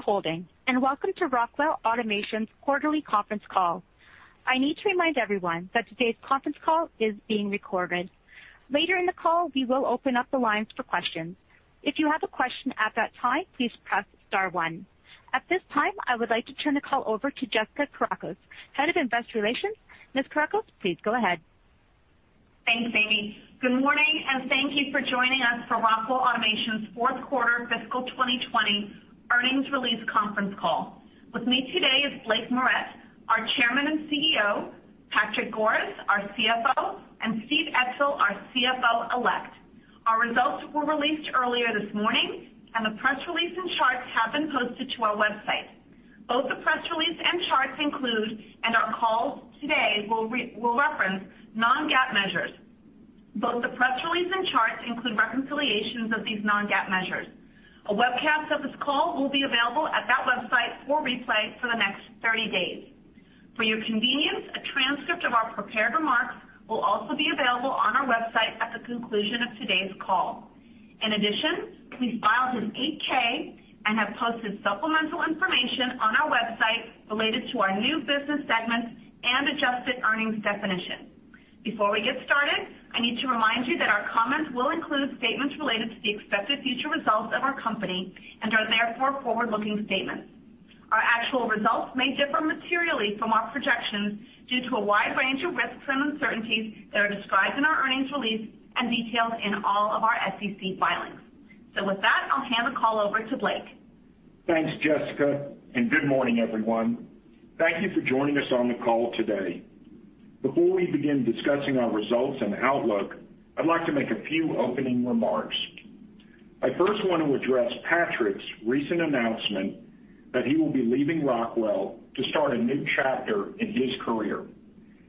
Thank you for holding, and welcome to Rockwell Automation's quarterly conference call. I need to remind everyone that today's conference call is being recorded. Later in the call, we will open up the lines for questions. If you have a question at that time, please press star one. At this time, I would like to turn the call over to Jessica Kourakos, Head of Investor Relations. Ms. Kourakos, please go ahead. Thanks, Amy. Good morning, and thank you for joining us for Rockwell Automation's fourth quarter fiscal 2020 earnings release conference call. With me today is Blake Moret, our Chairman and CEO, Patrick Goris, our CFO, and Steve Etzel, our CFO elect. Our results were released earlier this morning, and the press release and charts have been posted to our website. Both the press release and charts include, and our call today will reference non-GAAP measures. Both the press release and charts include reconciliations of these non-GAAP measures. A webcast of this call will be available at that website for replay for the next 30 days. For your convenience, a transcript of our prepared remarks will also be available on our website at the conclusion of today's call. We filed an 8-K and have posted supplemental information on our website related to our new business segments and adjusted earnings definition. Before we get started, I need to remind you that our comments will include statements related to the expected future results of our company and are therefore forward-looking statements. Our actual results may differ materially from our projections due to a wide range of risks and uncertainties that are described in our earnings release and detailed in all of our SEC filings. With that, I'll hand the call over to Blake. Thanks, Jessica. Good morning, everyone. Thank you for joining us on the call today. Before we begin discussing our results and outlook, I'd like to make a few opening remarks. I first want to address Patrick's recent announcement that he will be leaving Rockwell to start a new chapter in his career.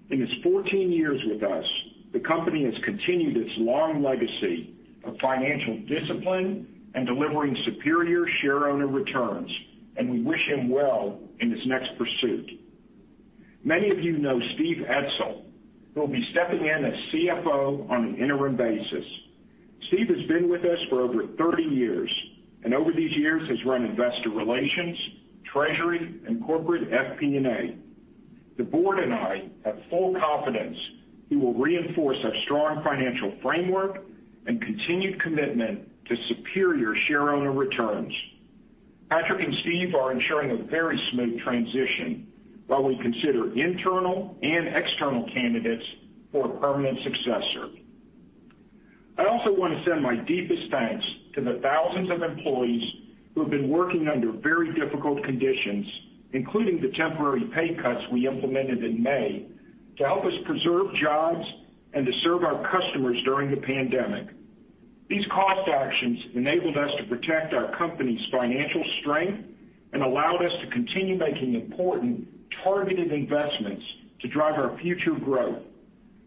In his 14 years with us, the company has continued its long legacy of financial discipline and delivering superior shareowner returns, and we wish him well in his next pursuit. Many of you know Steve Etzel, who will be stepping in as CFO on an interim basis. Steve has been with us for over 30 years, and over these years has run investor relations, treasury, and corporate FP&A. The board and I have full confidence he will reinforce our strong financial framework and continued commitment to superior shareowner returns. Patrick and Steve are ensuring a very smooth transition while we consider internal and external candidates for a permanent successor. I also want to send my deepest thanks to the thousands of employees who have been working under very difficult conditions, including the temporary pay cuts we implemented in May, to help us preserve jobs and to serve our customers during the pandemic. These cost actions enabled us to protect our company's financial strength and allowed us to continue making important targeted investments to drive our future growth.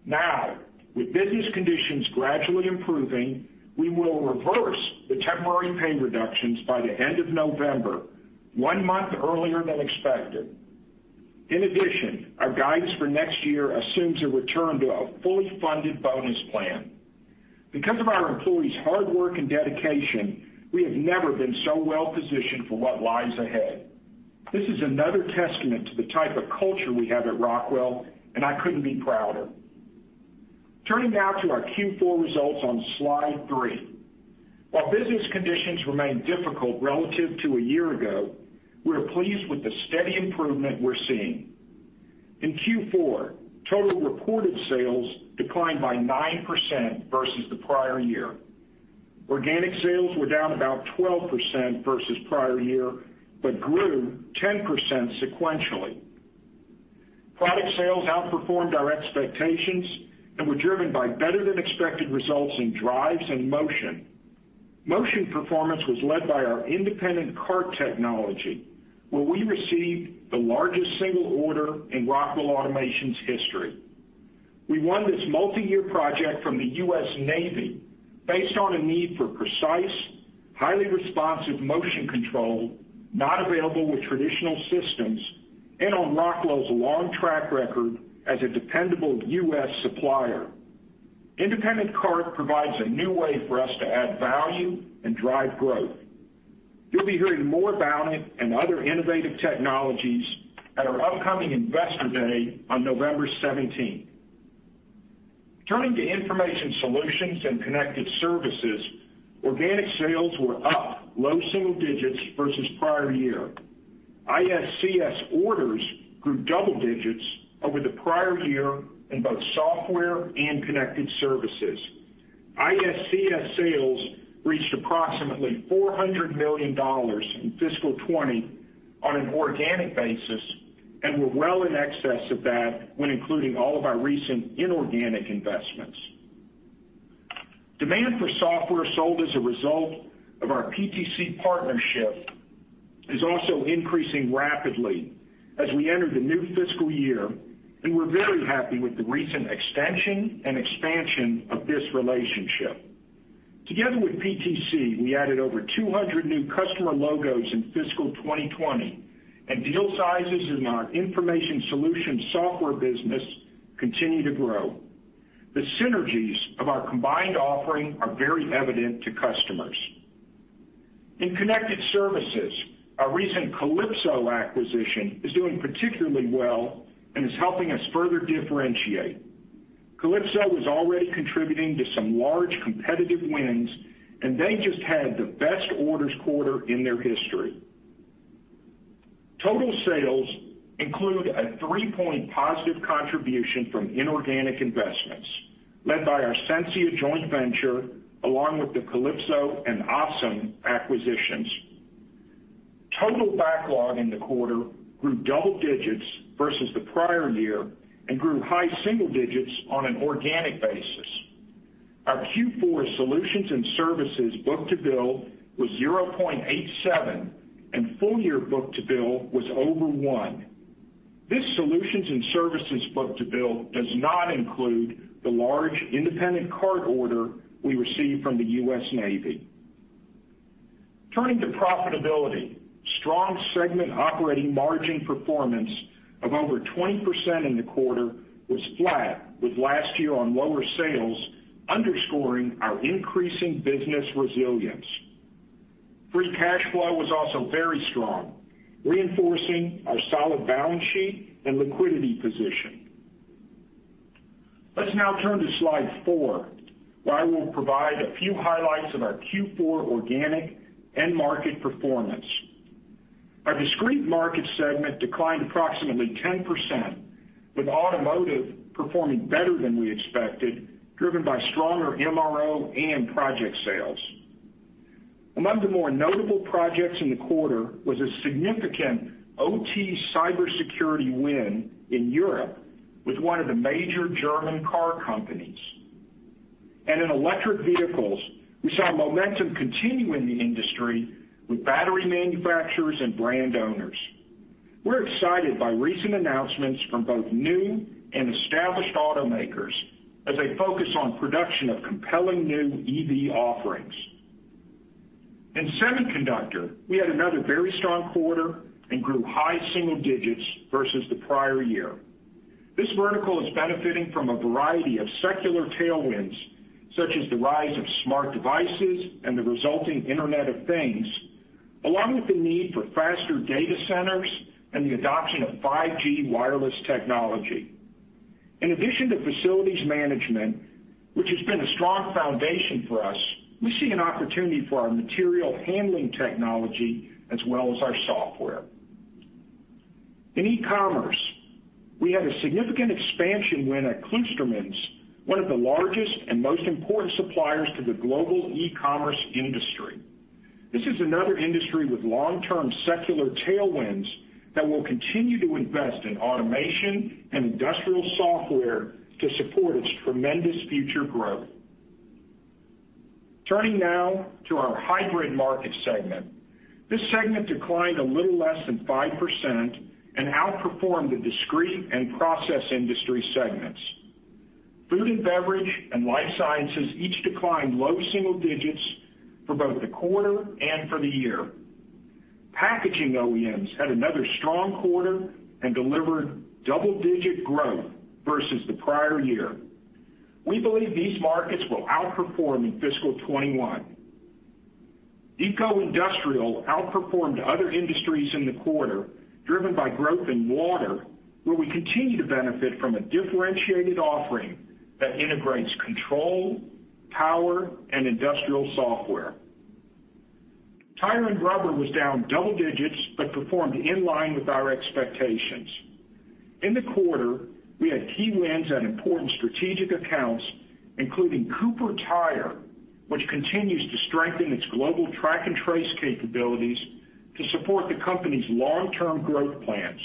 Now, with business conditions gradually improving, we will reverse the temporary pay reductions by the end of November, one month earlier than expected. In addition, our guidance for next year assumes a return to a fully funded bonus plan. Because of our employees' hard work and dedication, we have never been so well-positioned for what lies ahead. This is another testament to the type of culture we have at Rockwell, and I couldn't be prouder. Turning now to our Q4 results on slide three. While business conditions remain difficult relative to a year ago, we are pleased with the steady improvement we're seeing. In Q4, total reported sales declined by 9% versus the prior year. Organic sales were down about 12% versus prior year, but grew 10% sequentially. Product sales outperformed our expectations and were driven by better-than-expected results in Drives and Motion. Motion performance was led by our Independent Cart Technology, where we received the largest single order in Rockwell Automation's history. We won this multi-year project from the U.S. Navy based on a need for precise, highly responsive motion control not available with traditional systems and on Rockwell's long track record as a dependable U.S. supplier. Independent Cart provides a new way for us to add value and drive growth. You'll be hearing more about it and other innovative technologies at our upcoming Investor Day on November 17th. Turning to Information Solutions and Connected Services, organic sales were up low single digits versus prior year. IS/CS orders grew double digits over the prior year in both software and Connected Services. IS/CS sales reached approximately $400 million in fiscal 2020 on an organic basis and were well in excess of that when including all of our recent inorganic investments. Demand for software sold as a result of our PTC partnership is also increasing rapidly as we enter the new fiscal year, and we're very happy with the recent extension and expansion of this relationship. Together with PTC, we added over 200 new customer logos in fiscal 2020, and deal sizes in our Information Solutions software business continue to grow. The synergies of our combined offering are very evident to customers. In Connected Services, our recent Kalypso acquisition is doing particularly well and is helping us further differentiate. Kalypso is already contributing to some large competitive wins, and they just had the best orders quarter in their history. Total sales include a three-point positive contribution from inorganic investments, led by our Sensia joint venture, along with the Kalypso and ASEM acquisitions. Total backlog in the quarter grew double digits versus the prior year and grew high single digits on an organic basis. Our Q4 Solutions and Services book-to-bill was 0.87, and full-year book-to-bill was over one. This Solutions and Services book-to-bill does not include the large Independent Cart order we received from the U.S. Navy. Turning to profitability, strong segment operating margin performance of over 20% in the quarter was flat with last year on lower sales, underscoring our increasing business resilience. Free cash flow was also very strong, reinforcing our solid balance sheet and liquidity position. Let's now turn to slide four, where I will provide a few highlights of our Q4 organic end market performance. Our Discrete market segment declined approximately 10%, with automotive performing better than we expected, driven by stronger MRO and project sales. Among the more notable projects in the quarter was a significant OT cybersecurity win in Europe with one of the major German car companies. In electric vehicles, we saw momentum continue in the industry with battery manufacturers and brand owners. We're excited by recent announcements from both new and established automakers as they focus on production of compelling new EV offerings. In Semiconductor, we had another very strong quarter and grew high single digits versus the prior year. This vertical is benefiting from a variety of secular tailwinds, such as the rise of smart devices and the resulting Internet of Things, along with the need for faster data centers and the adoption of 5G wireless technology. In addition to facilities management, which has been a strong foundation for us, we see an opportunity for our material handling technology as well as our software. In e-commerce, we had a significant expansion win at Cloostermans, one of the largest and most important suppliers to the global e-commerce industry. This is another industry with long-term secular tailwinds that will continue to invest in automation and industrial software to support its tremendous future growth. Turning now to our Hybrid market segment. This segment declined a little less than 5% and outperformed the discrete and process industry segments. Food and Beverage and Life Sciences each declined low single digits for both the quarter and for the year. Packaging OEMs had another strong quarter and delivered double-digit growth versus the prior year. We believe these markets will outperform in fiscal 2021. Eco-industrial outperformed other industries in the quarter, driven by growth in water, where we continue to benefit from a differentiated offering that integrates control, power and industrial software. Tire and Rubber was down double digits, but performed in line with our expectations. In the quarter, we had key wins at important strategic accounts, including Cooper Tire, which continues to strengthen its global track and trace capabilities to support the company's long-term growth plans.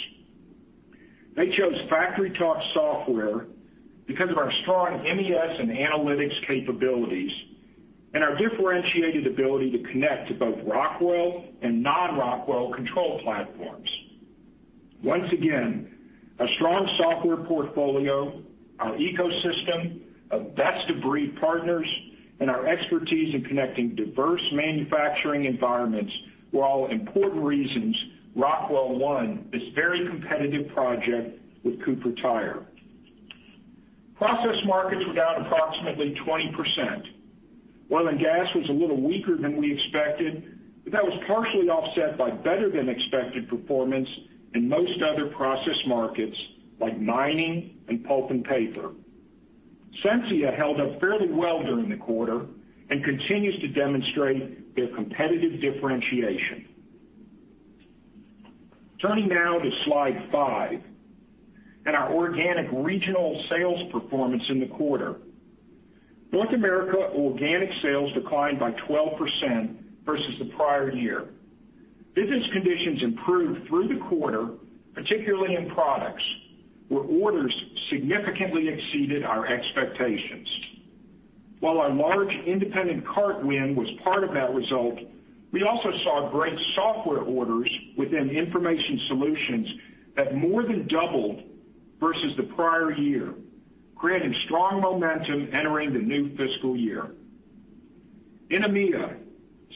They chose FactoryTalk software because of our strong MES and analytics capabilities and our differentiated ability to connect to both Rockwell and non-Rockwell control platforms. Once again, a strong software portfolio, our ecosystem of best-of-breed partners, and our expertise in connecting diverse manufacturing environments were all important reasons Rockwell won this very competitive project with Cooper Tire. Process markets were down approximately 20%. Oil and Gas was a little weaker than we expected, but that was partially offset by better-than-expected performance in most other process markets, like Mining and Pulp and Paper. Sensia held up fairly well during the quarter and continues to demonstrate their competitive differentiation. Turning now to slide five and our organic regional sales performance in the quarter. North America organic sales declined by 12% versus the prior year. Business conditions improved through the quarter, particularly in products, where orders significantly exceeded our expectations. While our large Independent Cart win was part of that result, we also saw great software orders within Information Solutions that more than doubled versus the prior year, creating strong momentum entering the new fiscal year. In EMEA,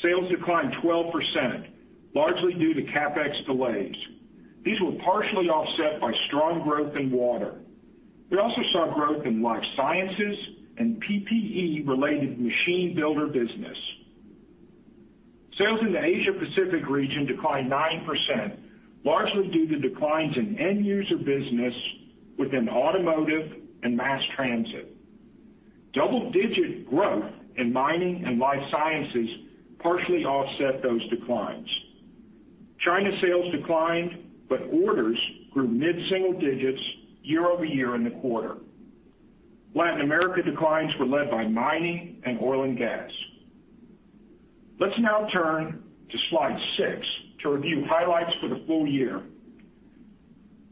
sales declined 12%, largely due to CapEx delays. These were partially offset by strong growth in water. We also saw growth in Life Sciences and PPE-related machine builder business. Sales in the Asia Pacific region declined 9%, largely due to declines in end user business within Automotive and Mass Transit. Double-digit growth in Mining and Life Sciences partially offset those declines. China sales declined, but orders grew mid-single digits year-over-year in the quarter. Latin America declines were led by Mining and Oil and Gas. Let's now turn to slide six to review highlights for the full year.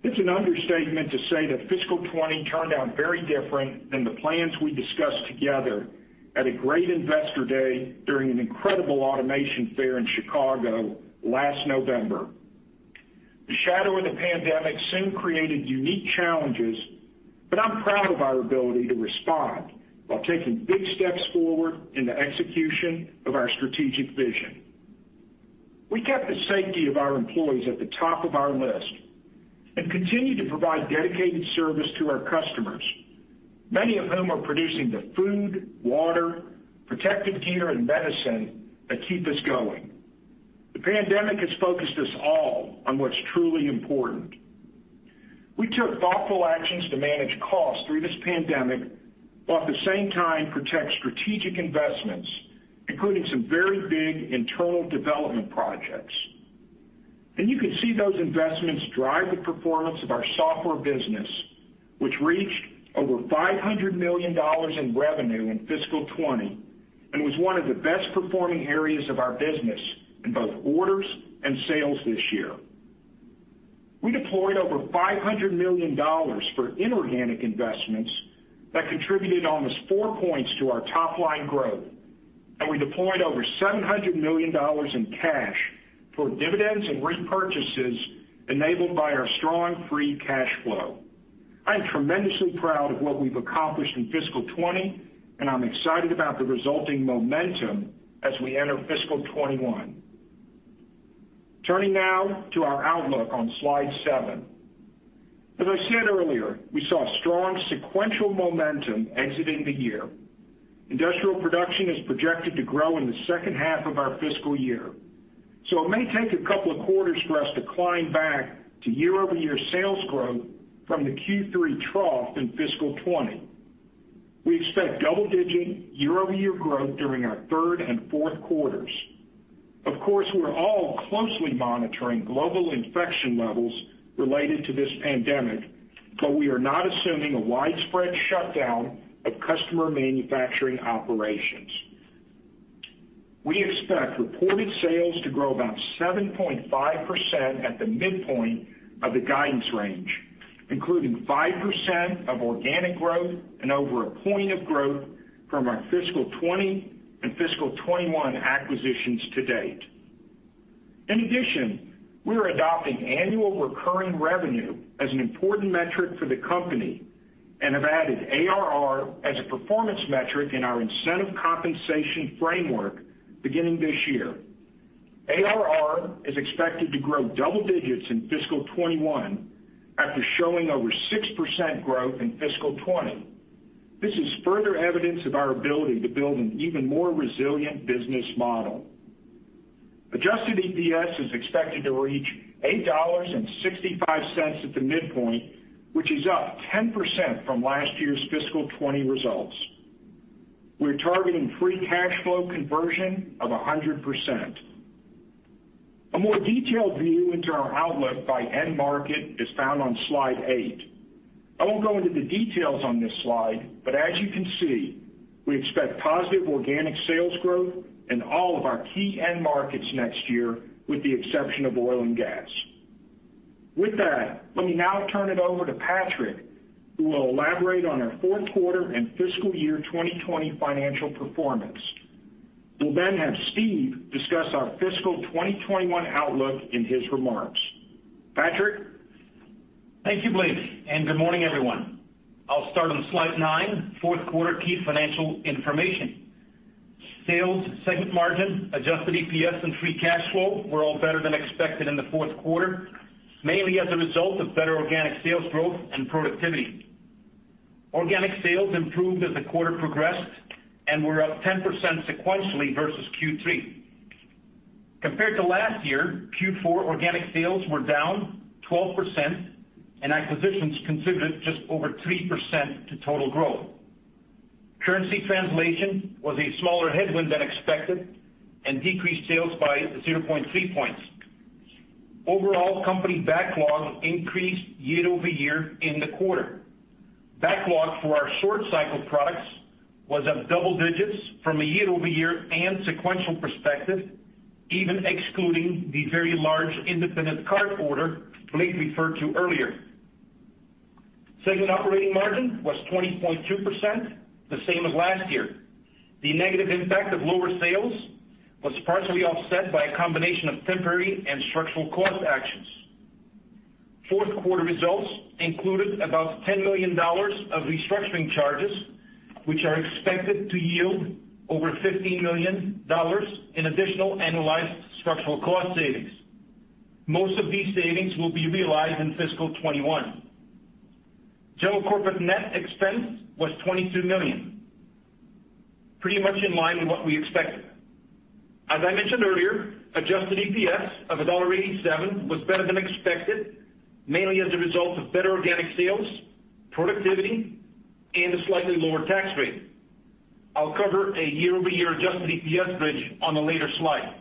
It's an understatement to say that fiscal 2020 turned out very different than the plans we discussed together at a great Investor Day during an incredible Automation Fair in Chicago last November. The shadow of the pandemic soon created unique challenges, but I'm proud of our ability to respond while taking big steps forward in the execution of our strategic vision. We kept the safety of our employees at the top of our list and continue to provide dedicated service to our customers, many of whom are producing the food, water, protective gear, and medicine that keep us going. The pandemic has focused us all on what's truly important. We took thoughtful actions to manage costs through this pandemic, while at the same time protect strategic investments, including some very big internal development projects. You could see those investments drive the performance of our software business, which reached over $500 million in revenue in fiscal 2020, and was one of the best performing areas of our business in both orders and sales this year. We deployed over $500 million for inorganic investments that contributed almost four points to our top-line growth, and we deployed over $700 million in cash for dividends and repurchases enabled by our strong free cash flow. I am tremendously proud of what we've accomplished in fiscal 2020, and I'm excited about the resulting momentum as we enter fiscal 2021. Turning now to our outlook on slide seven. As I said earlier, we saw strong sequential momentum exiting the year. Industrial production is projected to grow in the second half of our fiscal year, it may take a couple of quarters for us to climb back to year-over-year sales growth from the Q3 trough in fiscal 2020. We expect double-digit, year-over-year growth during our third and fourth quarters. Of course, we're all closely monitoring global infection levels related to this pandemic, we are not assuming a widespread shutdown of customer manufacturing operations. We expect reported sales to grow about 7.5% at the midpoint of the guidance range, including 5% of organic growth and over a point of growth from our fiscal 2020 and fiscal 2021 acquisitions to date. In addition, we are adopting annual recurring revenue as an important metric for the company and have added ARR as a performance metric in our incentive compensation framework beginning this year. ARR is expected to grow double digits in fiscal 2021 after showing over 6% growth in fiscal 2020. This is further evidence of our ability to build an even more resilient business model. Adjusted EPS is expected to reach $8.65 at the midpoint, which is up 10% from last year's fiscal 2020 results. We're targeting free cash flow conversion of 100%. A more detailed view into our outlook by end market is found on slide eight. I won't go into the details on this slide, but as you can see, we expect positive organic sales growth in all of our key end markets next year, with the exception of Oil and Gas. With that, let me now turn it over to Patrick, who will elaborate on our fourth quarter and fiscal year 2020 financial performance. We'll then have Steve discuss our fiscal 2021 outlook in his remarks. Patrick? Thank you, Blake, good morning, everyone. I'll start on slide nine, fourth quarter key financial information. Sales, segment margin, adjusted EPS, and free cash flow were all better than expected in the fourth quarter, mainly as a result of better organic sales growth and productivity. Organic sales improved as the quarter progressed and were up 10% sequentially versus Q3. Compared to last year, Q4 organic sales were down 12%, and acquisitions contributed just over 3% to total growth. Currency translation was a smaller headwind than expected and decreased sales by 0.3 points. Overall, company backlog increased year-over-year in the quarter. Backlog for our short cycle products was up double digits from a year-over-year and sequential perspective, even excluding the very large Independent Cart order Blake referred to earlier. Segment operating margin was 20.2%, the same as last year. The negative impact of lower sales was partially offset by a combination of temporary and structural cost actions. Fourth quarter results included about $10 million of restructuring charges, which are expected to yield over $15 million in additional annualized structural cost savings. Most of these savings will be realized in fiscal 2021. General corporate net expense was $22 million, pretty much in line with what we expected. As I mentioned earlier, adjusted EPS of $1.87 was better than expected, mainly as a result of better organic sales, productivity, and a slightly lower tax rate. I'll cover a year-over-year adjusted EPS bridge on a later slide.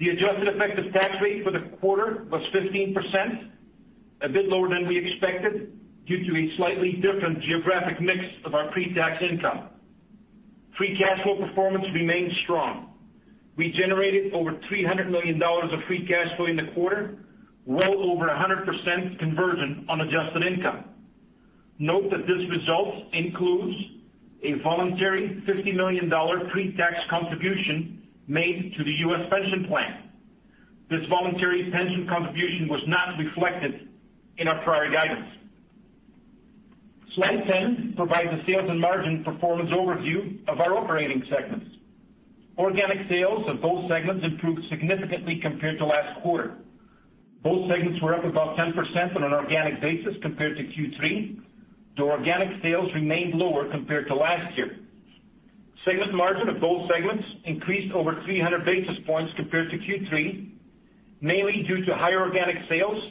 The adjusted effective tax rate for the quarter was 15%, a bit lower than we expected due to a slightly different geographic mix of our pre-tax income. Free cash flow performance remained strong. We generated over $300 million of free cash flow in the quarter, well over 100% conversion on adjusted income. Note that this result includes a voluntary $50 million pre-tax contribution made to the U.S. pension plan. This voluntary pension contribution was not reflected in our prior guidance. Slide 10 provides a sales and margin performance overview of our operating segments. Organic sales of both segments improved significantly compared to last quarter. Both segments were up about 10% on an organic basis compared to Q3, though organic sales remained lower compared to last year. Segment margin of both segments increased over 300 basis points compared to Q3, mainly due to higher organic sales,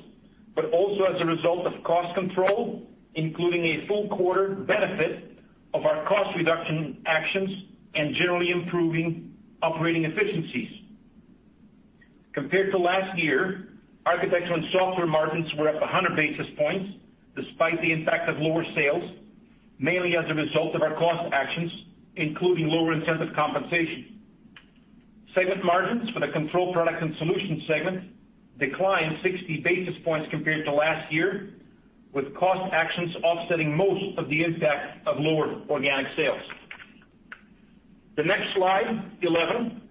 also as a result of cost control, including a full quarter benefit of our cost reduction actions and generally improving operating efficiencies. Compared to last year, Architecture and Software margins were up 100 basis points despite the impact of lower sales, mainly as a result of our cost actions, including lower incentive compensation. Segment margins for the Control Products and Solutions segment declined 60 basis points compared to last year, with cost actions offsetting most of the impact of lower organic sales. The next slide, 11,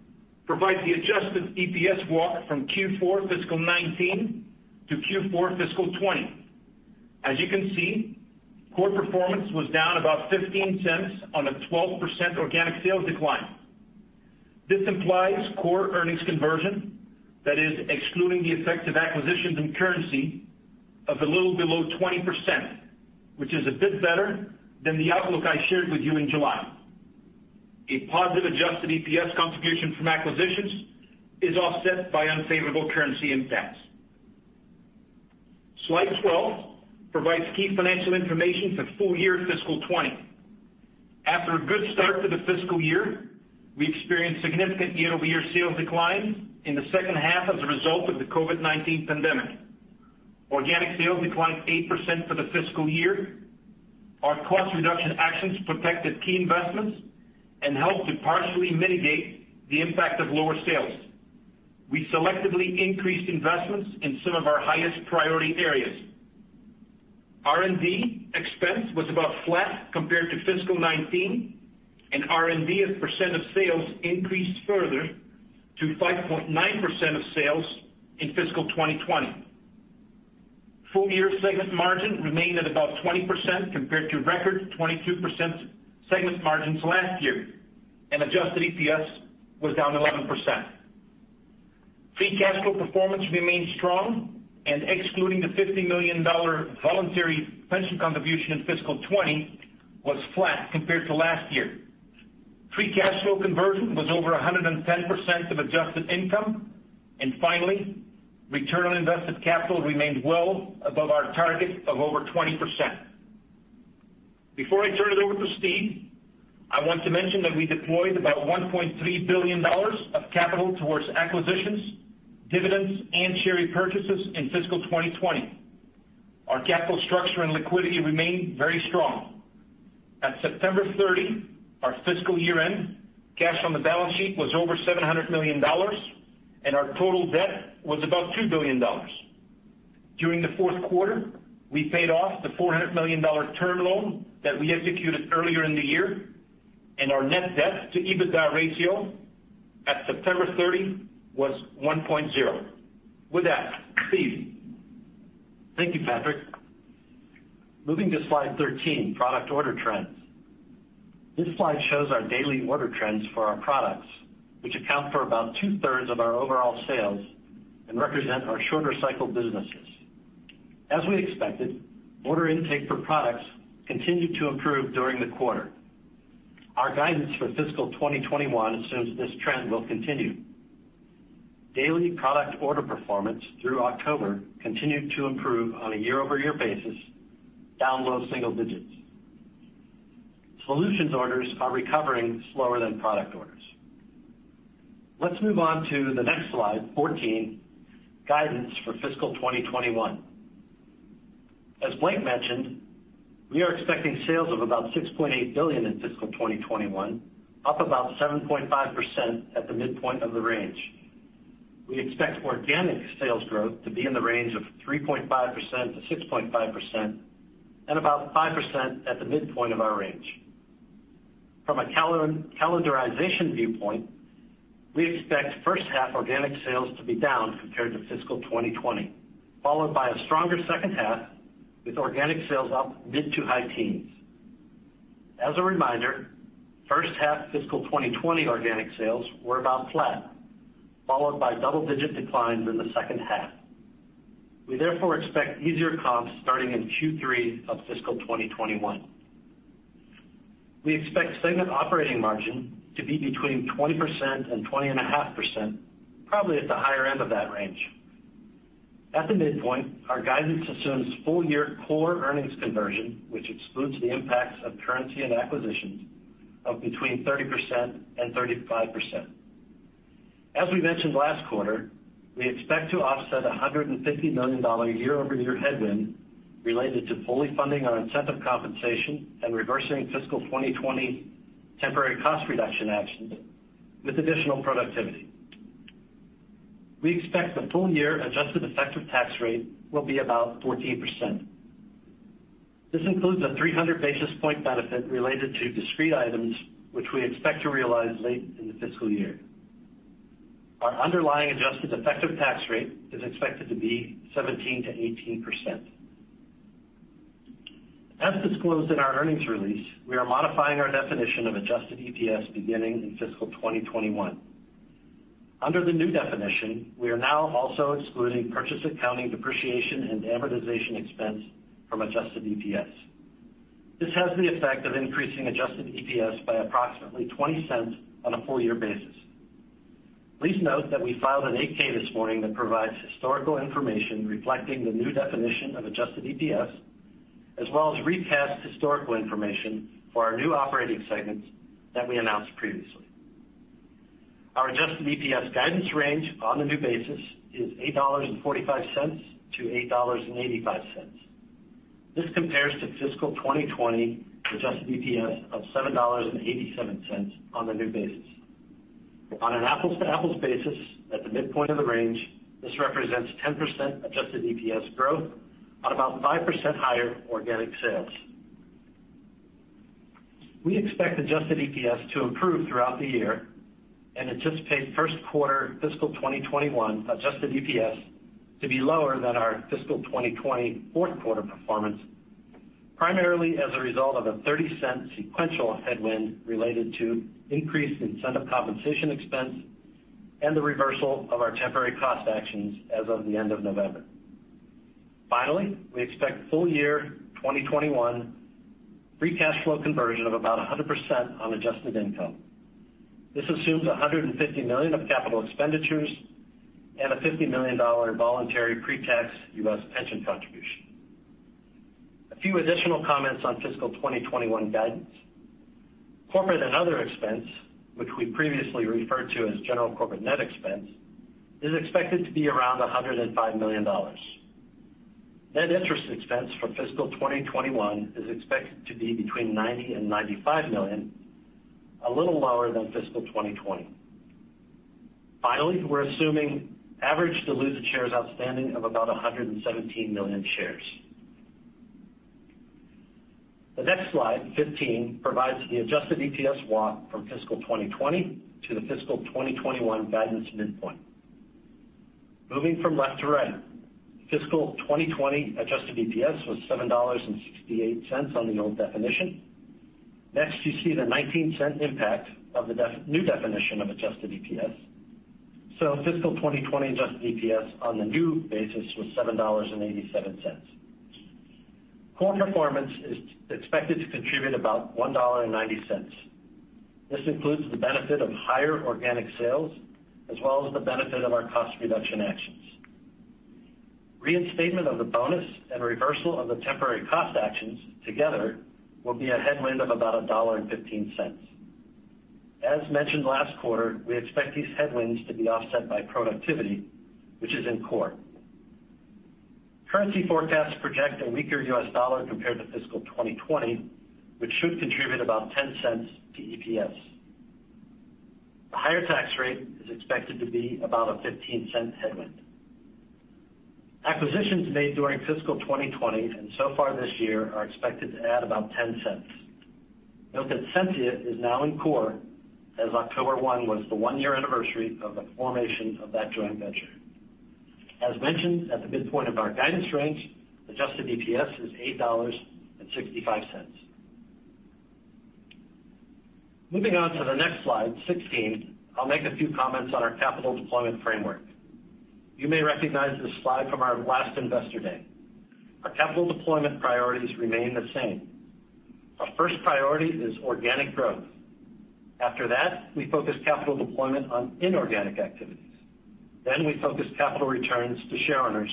provides the adjusted EPS walk from Q4 fiscal 2019 to Q4 fiscal 2020. As you can see, core performance was down about $0.15 on a 12% organic sales decline. This implies core earnings conversion that is excluding the effect of acquisitions and currency of a little below 20%, which is a bit better than the outlook I shared with you in July. A positive adjusted EPS contribution from acquisitions is offset by unfavorable currency impacts. Slide 12 provides key financial information for full year fiscal 2020. After a good start to the fiscal year, we experienced significant year-over-year sales declines in the second half as a result of the COVID-19 pandemic. Organic sales declined 8% for the fiscal year. Our cost reduction actions protected key investments and helped to partially mitigate the impact of lower sales. We selectively increased investments in some of our highest priority areas. R&D expense was about flat compared to fiscal 2019, and R&D as a percent of sales increased further to 5.9% of sales in fiscal 2020. Full year segment margin remained at about 20% compared to record 22% segment margins last year, and adjusted EPS was down 11%. Free cash flow performance remained strong, and excluding the $50 million voluntary pension contribution in fiscal 2020, was flat compared to last year. Free cash flow conversion was over 110% of adjusted income. Finally, return on invested capital remained well above our target of over 20%. Before I turn it over to Steve, I want to mention that we deployed about $1.3 billion of capital towards acquisitions, dividends, and share repurchases in fiscal 2020. Our capital structure and liquidity remain very strong. At September 30, our fiscal year end, cash on the balance sheet was over $700 million, and our total debt was about $2 billion. During the fourth quarter, we paid off the $400 million term loan that we executed earlier in the year, and our net debt to EBITDA ratio at September 30 was 1.0. With that, Steve. Thank you, Patrick. Moving to slide 13, product order trends. This slide shows our daily order trends for our products, which account for about 2/3 of our overall sales and represent our shorter cycle businesses. As we expected, order intake for products continued to improve during the quarter. Our guidance for fiscal 2021 assumes this trend will continue. Daily product order performance through October continued to improve on a year-over-year basis, down low single digits. Solutions orders are recovering slower than product orders. Let's move on to the next slide, 14, guidance for fiscal 2021. As Blake mentioned, we are expecting sales of about $6.8 billion in fiscal 2021, up about 7.5% at the midpoint of the range. We expect organic sales growth to be in the range of 3.5%-6.5%, and about 5% at the midpoint of our range. From a calendarization viewpoint, we expect first-half organic sales to be down compared to fiscal 2020, followed by a stronger second half with organic sales up mid-to-high teens. As a reminder, first-half fiscal 2020 organic sales were about flat, followed by double-digit declines in the second half. We therefore expect easier comps starting in Q3 of fiscal 2021. We expect segment operating margin to be between 20% and 20.5%, probably at the higher end of that range. At the midpoint, our guidance assumes full-year core earnings conversion, which excludes the impacts of currency and acquisitions, of between 30% and 35%. As we mentioned last quarter, we expect to offset $150 million year-over-year headwind related to fully funding our incentive compensation and reversing fiscal 2020 temporary cost reduction actions with additional productivity. We expect the full-year adjusted effective tax rate will be about 14%. This includes a 300 basis points benefit related to discrete items, which we expect to realize late in the fiscal year. Our underlying adjusted effective tax rate is expected to be 17%-18%. As disclosed in our earnings release, we are modifying our definition of adjusted EPS beginning in fiscal 2021. Under the new definition, we are now also excluding purchase accounting depreciation and amortization expense from adjusted EPS. This has the effect of increasing adjusted EPS by approximately $0.20 on a full-year basis. Please note that we filed an 8-K this morning that provides historical information reflecting the new definition of adjusted EPS, as well as recast historical information for our new operating segments that we announced previously. Our adjusted EPS guidance range on the new basis is $8.45-$8.85. This compares to fiscal 2020 adjusted EPS of $7.87 on the new basis. On an apples-to-apples basis, at the midpoint of the range, this represents 10% adjusted EPS growth on about 5% higher organic sales. We expect adjusted EPS to improve throughout the year and anticipate first quarter fiscal 2021 adjusted EPS to be lower than our fiscal 2020 fourth-quarter performance, primarily as a result of a $0.30 sequential headwind related to increased incentive compensation expense and the reversal of our temporary cost actions as of the end of November. Finally, we expect full-year 2021 free cash flow conversion of about 100% on adjusted income. This assumes $150 million of capital expenditures and a $50 million voluntary pre-tax U.S. pension contribution. A few additional comments on fiscal 2021 guidance. Corporate and other expense, which we previously referred to as general corporate net expense, is expected to be around $105 million. Net interest expense for fiscal 2021 is expected to be between $90 million and $95 million, a little lower than fiscal 2020. Finally, we're assuming average diluted shares outstanding of about 117 million shares. The next slide, 15, provides the adjusted EPS walk from fiscal 2020 to the fiscal 2021 guidance midpoint. Moving from left to right, fiscal 2020 adjusted EPS was $7.68 on the old definition. Next, you see the $0.19 impact of the new definition of adjusted EPS. Fiscal 2020 adjusted EPS on the new basis was $7.87. Core performance is expected to contribute about $1.90. This includes the benefit of higher organic sales as well as the benefit of our cost reduction actions. Reinstatement of the bonus and reversal of the temporary cost actions together will be a headwind of about $1.15. As mentioned last quarter, we expect these headwinds to be offset by productivity, which is in core. Currency forecasts project a weaker U.S. dollar compared to fiscal 2020, which should contribute about $0.10 to EPS. The higher tax rate is expected to be about a $0.15 headwind. Acquisitions made during fiscal 2020 and so far this year are expected to add about $0.10. Note that Sensia is now in core as October 1 was the one-year anniversary of the formation of that joint venture. As mentioned at the midpoint of our guidance range, adjusted EPS is $8.65. Moving on to the next slide 16, I'll make a few comments on our capital deployment framework. You may recognize this slide from our last Investor Day. Our capital deployment priorities remain the same. Our first priority is organic growth. After that, we focus capital deployment on inorganic activities. We focus capital returns to shareowners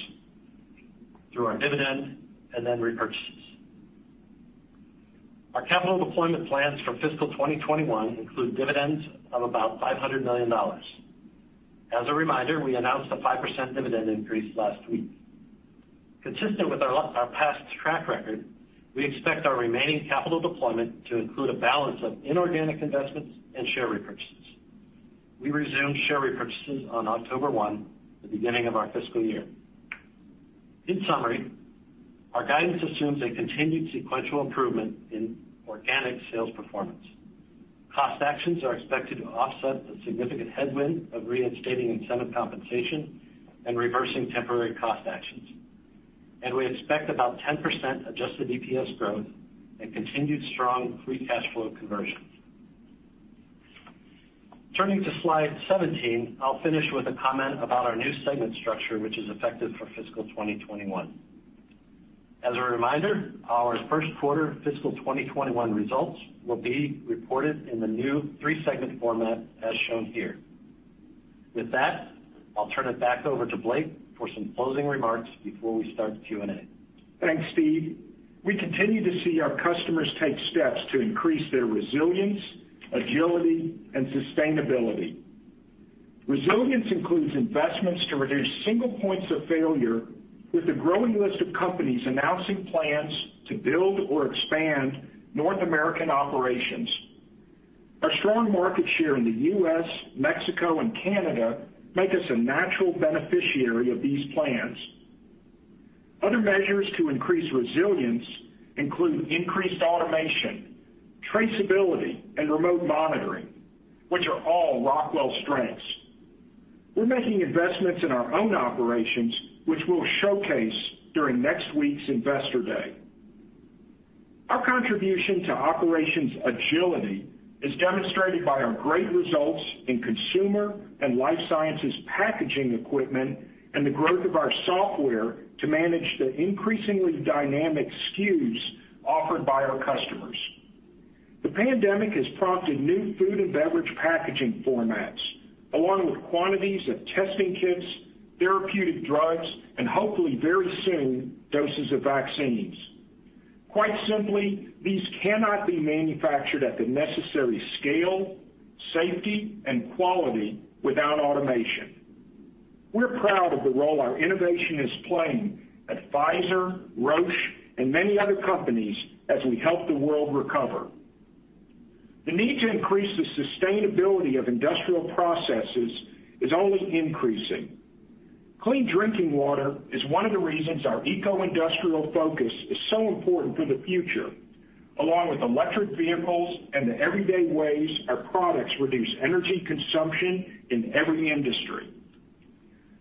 through our dividend and then repurchases. Our capital deployment plans for fiscal 2021 include dividends of about $500 million. As a reminder, we announced a 5% dividend increase last week. Consistent with our past track record, we expect our remaining capital deployment to include a balance of inorganic investments and share repurchases. We resumed share repurchases on October 1, the beginning of our fiscal year. In summary, our guidance assumes a continued sequential improvement in organic sales performance. Cost actions are expected to offset the significant headwind of reinstating incentive compensation and reversing temporary cost actions. We expect about 10% adjusted EPS growth and continued strong free cash flow conversion. Turning to slide 17, I'll finish with a comment about our new segment structure, which is effective for fiscal 2021. As a reminder, our first quarter fiscal 2021 results will be reported in the new three-segment format as shown here. With that, I'll turn it back over to Blake for some closing remarks before we start the Q&A. Thanks, Steve. We continue to see our customers take steps to increase their resilience, agility and sustainability. Resilience includes investments to reduce single points of failure with a growing list of companies announcing plans to build or expand North American operations. Our strong market share in the U.S., Mexico and Canada make us a natural beneficiary of these plans. Other measures to increase resilience include increased automation, traceability and remote monitoring, which are all Rockwell strengths. We're making investments in our own operations, which we'll showcase during next week's Investor Day. Our contribution to operations agility is demonstrated by our great results in consumer and Life Sciences packaging equipment and the growth of our software to manage the increasingly dynamic SKUs offered by our customers. The pandemic has prompted new Food and Beverage packaging formats, along with quantities of testing kits, therapeutic drugs, and hopefully very soon, doses of vaccines. Quite simply, these cannot be manufactured at the necessary scale, safety and quality without automation. We're proud of the role our innovation is playing at Pfizer, Roche and many other companies as we help the world recover. The need to increase the sustainability of industrial processes is only increasing. Clean drinking water is one of the reasons our eco-industrial focus is so important for the future, along with electric vehicles and the everyday ways our products reduce energy consumption in every industry.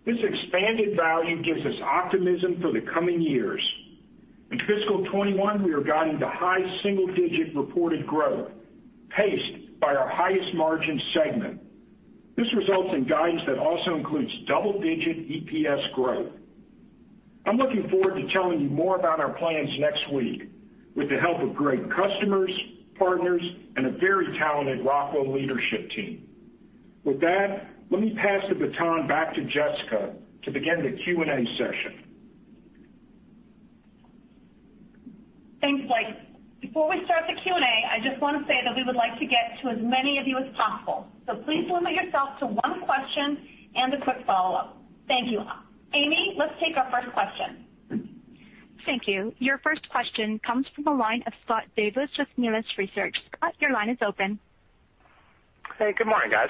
This expanded value gives us optimism for the coming years. In fiscal 2021, we are guiding to high single-digit reported growth, paced by our highest margin segment. This results in guidance that also includes double-digit EPS growth. I'm looking forward to telling you more about our plans next week with the help of great customers, partners, and a very talented Rockwell leadership team. With that, let me pass the baton back to Jessica to begin the Q&A session. Thanks, Blake. Before we start the Q&A, I just want to say that we would like to get to as many of you as possible, so please limit yourself to one question and a quick follow-up. Thank you. Amy, let's take our first question. Thank you. Your first question comes from the line of Scott Davis with Melius Research. Scott, your line is open. Hey, good morning, guys.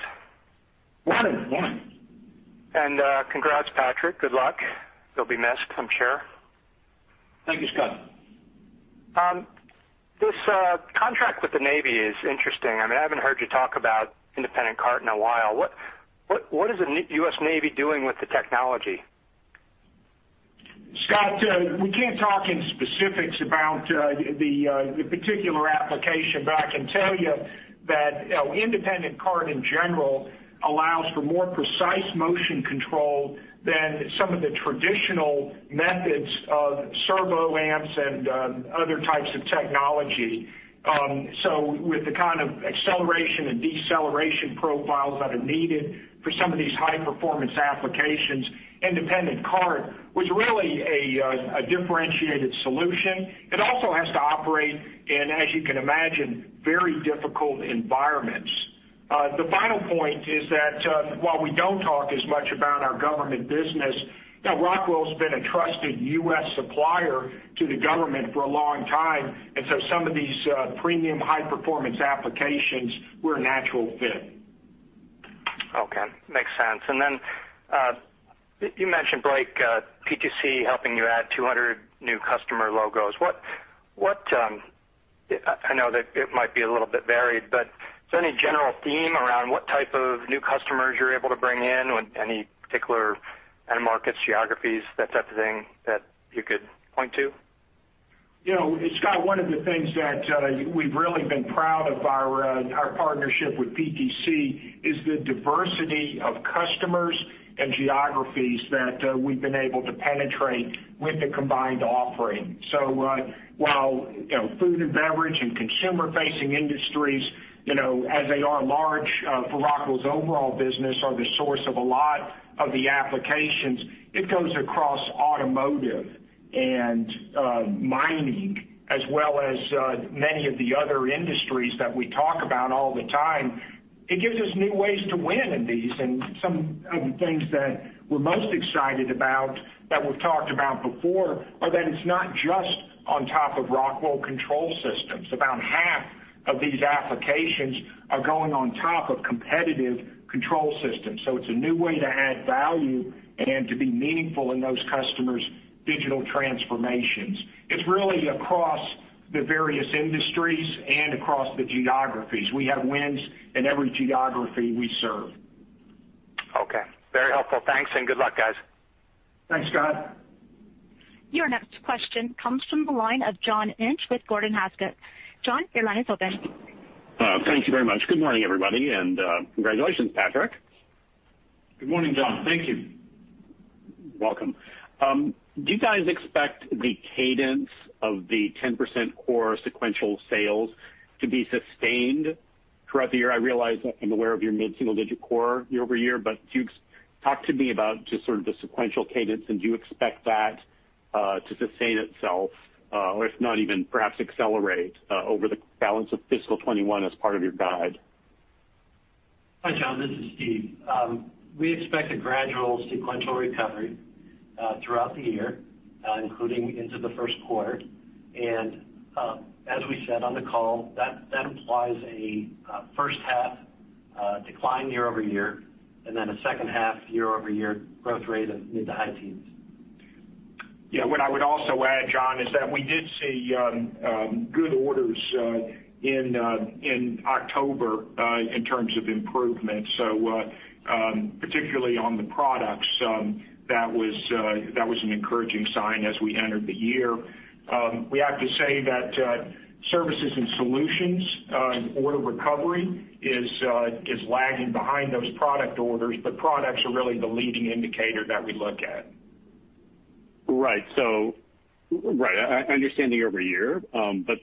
Morning. Morning. Congrats, Patrick. Good luck. You'll be missed, I'm sure. Thank you, Scott. This contract with the Navy is interesting. I mean, I haven't heard you talk about Independent Cart in a while. What is the U.S. Navy doing with the technology? Scott, we can't talk in specifics about the particular application, but I can tell you that Independent Cart in general allows for more precise motion control than some of the traditional methods of servo amps and other types of technology. With the kind of acceleration and deceleration profiles that are needed for some of these high-performance applications, Independent Cart was really a differentiated solution. It also has to operate in, as you can imagine, very difficult environments. The final point is that while we don't talk as much about our government business, Rockwell's been a trusted U.S. supplier to the government for a long time, and so some of these premium high-performance applications, we're a natural fit. Okay. Makes sense. You mentioned, Blake, PTC helping you add 200 new customer logos. I know that it might be a little bit varied, is there any general theme around what type of new customers you're able to bring in? Any particular end markets, geographies, that type of thing that you could point to? Scott, one of the things that we've really been proud of our partnership with PTC is the diversity of customers and geographies that we've been able to penetrate with the combined offering. While Food and Beverage and consumer-facing industries, as they are large for Rockwell's overall business, are the source of a lot of the applications, it goes across automotive and mining as well as many of the other industries that we talk about all the time. It gives us new ways to win in these, and some of the things that we're most excited about that we've talked about before are that it's not just on top of Rockwell control systems. About half of these applications are going on top of competitive control systems. It's a new way to add value and to be meaningful in those customers' digital transformations. It's really across the various industries and across the geographies. We have wins in every geography we serve. Okay. Very helpful. Thanks, and good luck, guys. Thanks, Scott. Your next question comes from the line of John Inch with Gordon Haskett. John, your line is open. Thank you very much. Good morning, everybody, and congratulations, Patrick. Good morning, John. Thank you. Welcome. Do you guys expect the cadence of the 10% core sequential sales to be sustained throughout the year? I realize I'm aware of your mid-single digit core year-over-year, but talk to me about just sort of the sequential cadence, and do you expect that to sustain itself, or if not even, perhaps accelerate over the balance of fiscal 2021 as part of your guide? Hi, John. This is Steve. We expect a gradual sequential recovery throughout the year, including into the first quarter. As we said on the call, that implies a first half decline year-over-year, and then a second half year-over-year growth rate of mid to high teens. What I would also add, John, is that we did see good orders in October in terms of improvement. Particularly on the products, that was an encouraging sign as we entered the year. We have to say that Services and Solutions order recovery is lagging behind those product orders, but products are really the leading indicator that we look at. Right. I understand the year-over-year, but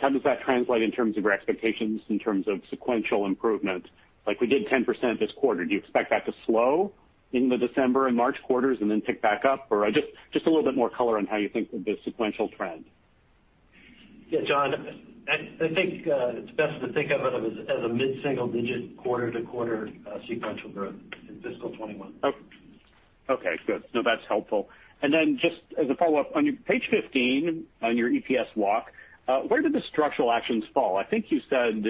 how does that translate in terms of your expectations, in terms of sequential improvement? Like we did 10% this quarter, do you expect that to slow in the December and March quarters and then pick back up? Just a little bit more color on how you think of the sequential trend. Yeah, John, I think it's best to think of it as a mid-single digit quarter-to-quarter sequential growth in fiscal 2021. No, that's helpful. Just as a follow-up, on your page 15, on your EPS walk, where did the structural actions fall? I think you said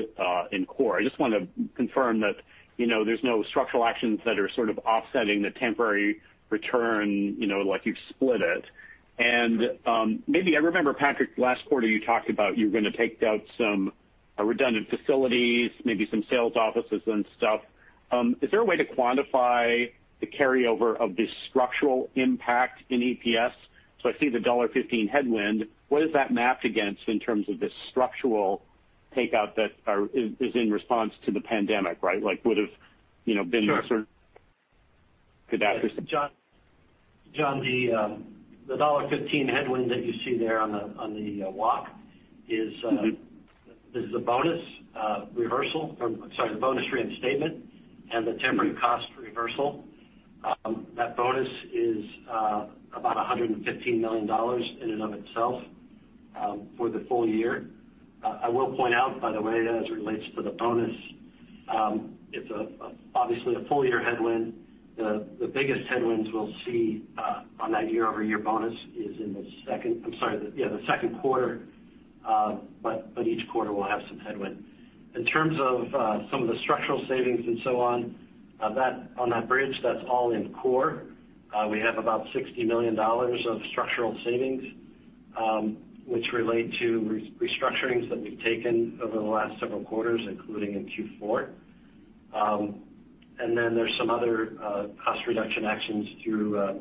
in core. I just want to confirm that there's no structural actions that are sort of offsetting the temporary return, like you've split it. Maybe I remember, Patrick, last quarter you talked about you were going to take out some redundant facilities, maybe some sales offices and stuff. Is there a way to quantify the carryover of the structural impact in EPS? I see the $1.15 headwind. What is that mapped against in terms of the structural takeout that is in response to the pandemic, right? John, the $1.15 headwind that you see there on the walk is the bonus reinstatement and the temporary cost reversal. That bonus is about $115 million in and of itself for the full year. I will point out, by the way, as it relates to the bonus, it's obviously a full-year headwind. The biggest headwinds we'll see on that year-over-year bonus is in the second quarter, but each quarter will have some headwind. In terms of some of the structural savings and so on that bridge, that's all in core. We have about $60 million of structural savings, which relate to restructurings that we've taken over the last several quarters, including in Q4. There's some other cost reduction actions through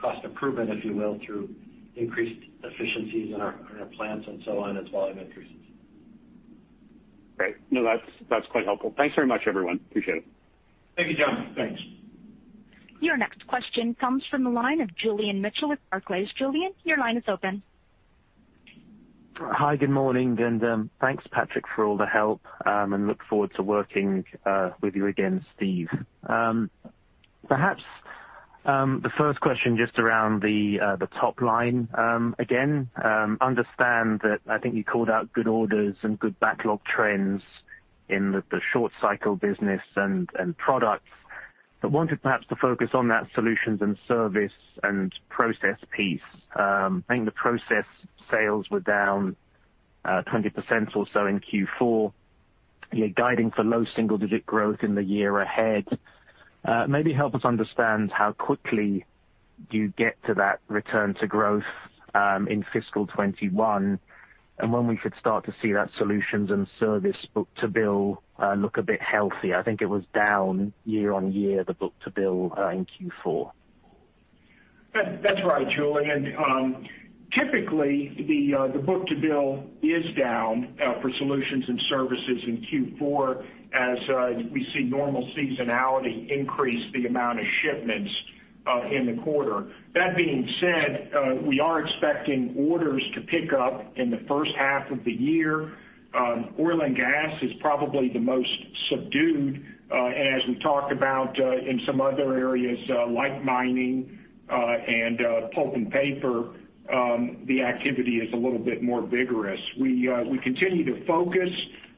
cost improvement, if you will, through increased efficiencies in our plants and so on as volume increases. Great. No, that's quite helpful. Thanks very much, everyone. Appreciate it. Thank you, John. Thanks. Your next question comes from the line of Julian Mitchell with Barclays. Julian, your line is open. Hi, good morning. Thanks, Patrick, for all the help, and look forward to working with you again, Steve. Perhaps the first question just around the top line. Again, understand that I think you called out good orders and good backlog trends in the short cycle business and products. Wanted perhaps to focus on that Solutions and Service and process piece. I think the process sales were down 20% or so in Q4. You're guiding for low single-digit growth in the year ahead. Maybe help us understand how quickly do you get to that return to growth in fiscal 2021, and when we should start to see that Solutions and Service book-to-bill look a bit healthy. I think it was down year-on-year, the book-to-bill in Q4. That's right, Julian. Typically, the book-to-bill is down for Solutions and Services in Q4 as we see normal seasonality increase the amount of shipments in the quarter. That being said, we are expecting orders to pick up in the first half of the year. Oil and Gas is probably the most subdued. As we talked about in some other areas like mining and pulp and paper, the activity is a little bit more vigorous. We continue to focus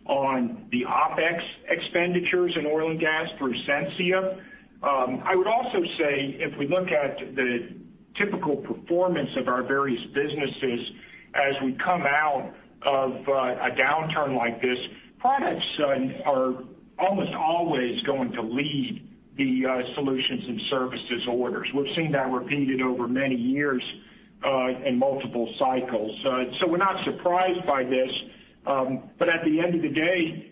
on the OPEX expenditures in Oil and Gas for Sensia. I would also say, if we look at the typical performance of our various businesses as we come out of a downturn like this, products are almost always going to lead the Solutions and Services orders. We've seen that repeated over many years in multiple cycles. We're not surprised by this. At the end of the day,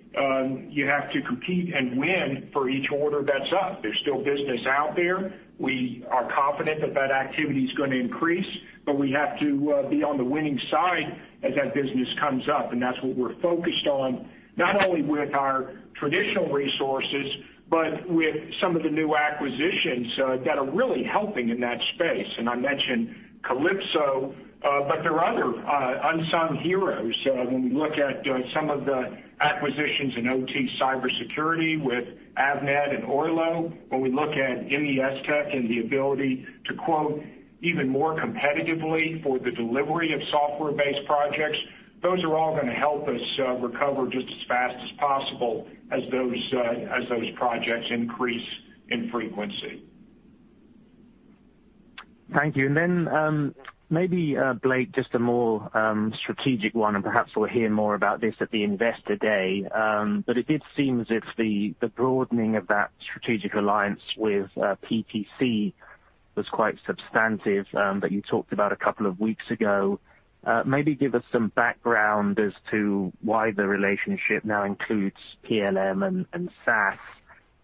you have to compete and win for each order that's up. There's still business out there. We are confident that activity is going to increase, but we have to be on the winning side as that business comes up. That's what we're focused on, not only with our traditional resources, but with some of the new acquisitions that are really helping in that space. I mentioned Kalypso, but there are other unsung heroes when we look at some of the acquisitions in OT cybersecurity with Avnet and Oylo, when we look at MESTECH and the ability to quote even more competitively for the delivery of software-based projects. Those are all going to help us recover just as fast as possible as those projects increase in frequency. Thank you. Maybe, Blake, just a more strategic one, and perhaps we'll hear more about this at the Investor Day. It did seem as if the broadening of that strategic alliance with PTC was quite substantive, that you talked about a couple of weeks ago. Maybe give us some background as to why the relationship now includes PLM and SaaS,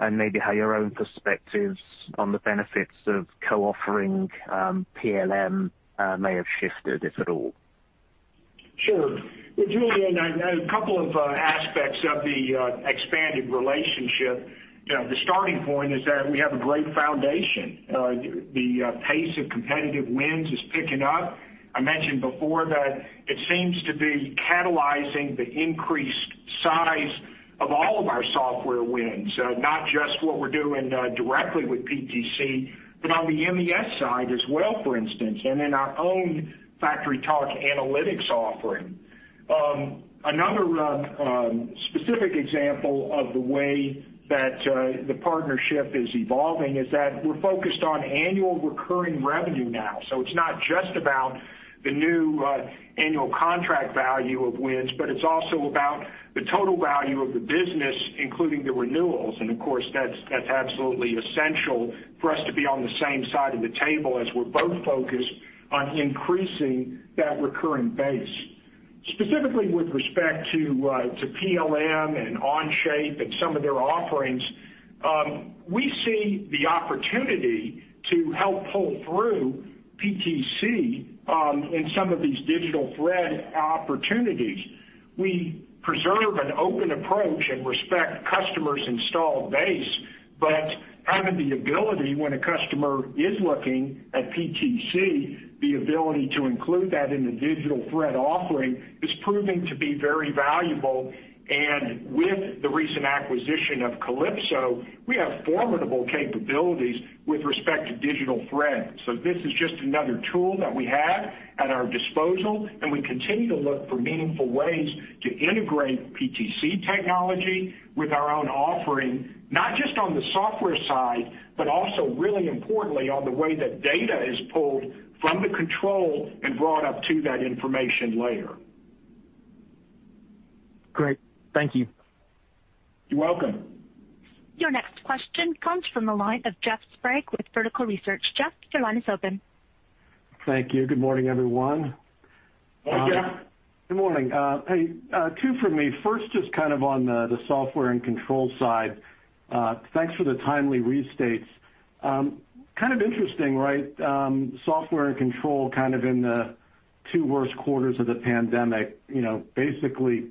and maybe how your own perspectives on the benefits of co-offering PLM may have shifted, if at all. Sure. Julian, I know a couple of aspects of the expanded relationship. The starting point is that we have a great foundation. The pace of competitive wins is picking up. I mentioned before that it seems to be catalyzing the increased size of all of our software wins, not just what we're doing directly with PTC, but on the MES side as well, for instance, and in our own FactoryTalk Analytics offering. Another specific example of the way that the partnership is evolving is that we're focused on annual recurring revenue now. It's not just about the new annual contract value of wins, but it's also about the total value of the business, including the renewals. Of course, that's absolutely essential for us to be on the same side of the table as we're both focused on increasing that recurring base. Specifically with respect to PLM and Onshape and some of their offerings, we see the opportunity to help pull through PTC in some of these digital thread opportunities. We preserve an open approach and respect customers' installed base, but having the ability when a customer is looking at PTC, the ability to include that in the digital thread offering is proving to be very valuable. With the recent acquisition of Kalypso, we have formidable capabilities with respect to digital thread. This is just another tool that we have at our disposal, and we continue to look for meaningful ways to integrate PTC technology with our own offering, not just on the software side, but also really importantly, on the way that data is pulled from the control and brought up to that information layer. Great. Thank you. You're welcome. Your next question comes from the line of Jeff Sprague with Vertical Research. Jeff, your line is open. Thank you. Good morning, everyone. Hey, Jeff. Good morning. Hey, two from me. First, just kind of on the Software and Control side. Thanks for the timely restates. Kind of interesting, right? Software and Control kind of in the two worst quarters of the pandemic, basically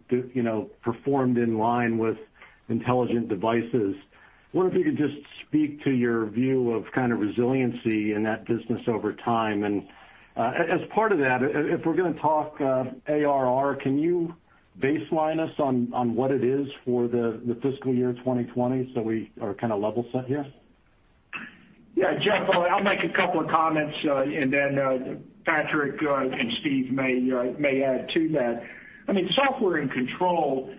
performed in line with Intelligent Devices. Wonder if you could just speak to your view of kind of resiliency in that business over time. As part of that, if we're going to talk ARR, can you baseline us on what it is for the fiscal year 2020 so we are kind of level set here? Yeah, Jeff, I'll make a couple of comments, and then Patrick and Steve may add to that. Software and Control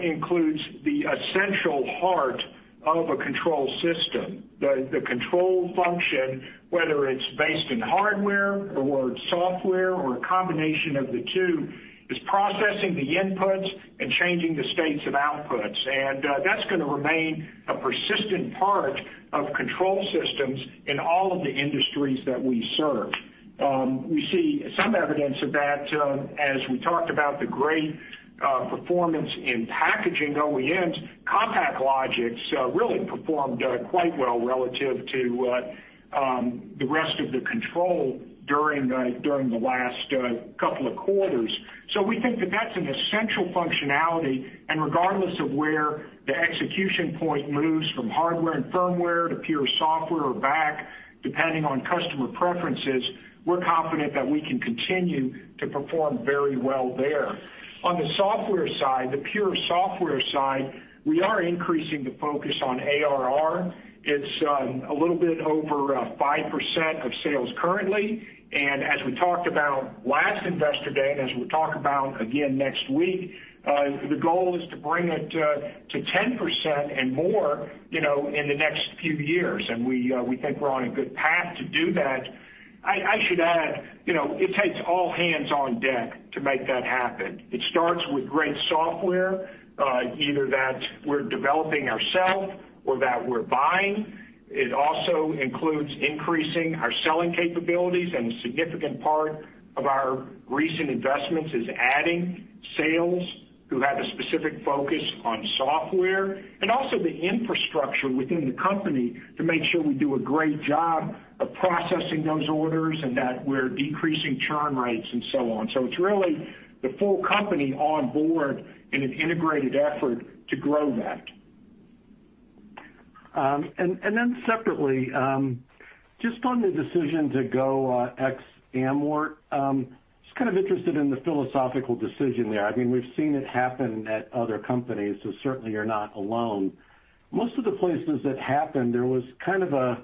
includes the essential heart of a control system. The control function, whether it's based in hardware or software or a combination of the two, is processing the inputs and changing the states of outputs. That's going to remain a persistent part of control systems in all of the industries that we serve. We see some evidence of that as we talked about the great performance in packaging OEMs. CompactLogix really performed quite well relative to the rest of the control during the last couple of quarters. We think that that's an essential functionality, and regardless of where the execution point moves from hardware and firmware to pure software or back, depending on customer preferences, we're confident that we can continue to perform very well there. On the software side, the pure software side, we are increasing the focus on ARR. It's a little bit over 5% of sales currently. As we talked about last Investor Day, and as we'll talk about again next week, the goal is to bring it to 10% and more in the next few years, and we think we're on a good path to do that. I should add, it takes all hands on deck to make that happen. It starts with great software, either that we're developing ourself or that we're buying. It also includes increasing our selling capabilities, and a significant part of our recent investments is adding sales, who have a specific focus on software, and also the infrastructure within the company to make sure we do a great job of processing those orders and that we're decreasing churn rates and so on. It's really the full company on board in an integrated effort to grow that. Separately, just on the decision to go ex-amort, just kind of interested in the philosophical decision there. We've seen it happen at other companies, so certainly you're not alone. Most of the places that happened, there was kind of an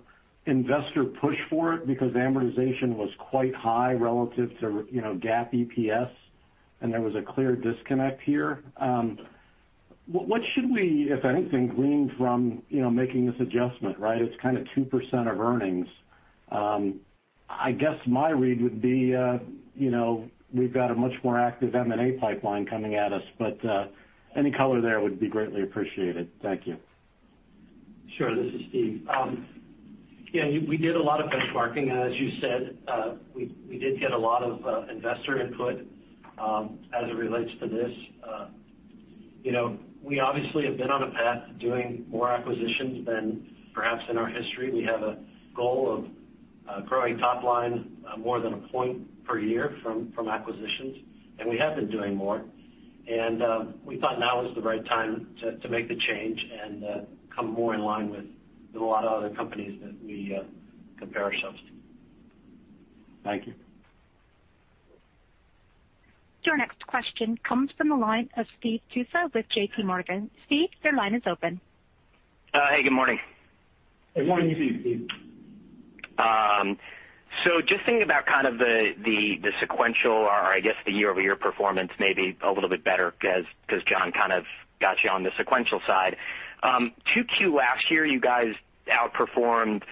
investor push for it because amortization was quite high relative to GAAP EPS, and there was a clear disconnect here. What should we, if anything, glean from making this adjustment, right? It's kind of 2% of earnings. I guess my read would be, we've got a much more active M&A pipeline coming at us, but any color there would be greatly appreciated. Thank you. Sure. This is Steve. Yeah, we did a lot of benchmarking, as you said. We did get a lot of investor input as it relates to this. We obviously have been on a path doing more acquisitions than perhaps in our history. We have a goal of growing top line more than a point per year from acquisitions. We have been doing more. We thought now is the right time to make the change and come more in line with a lot of other companies that we compare ourselves to. Thank you. Your next question comes from the line of Steve Tusa with JPMorgan. Steve, your line is open. Hey, good morning. Good morning to you, Steve. Just thinking about kind of the sequential, or I guess the year-over-year performance may be a little bit better, because John kind of got you on the sequential side. 2Q last year, you guys outperformed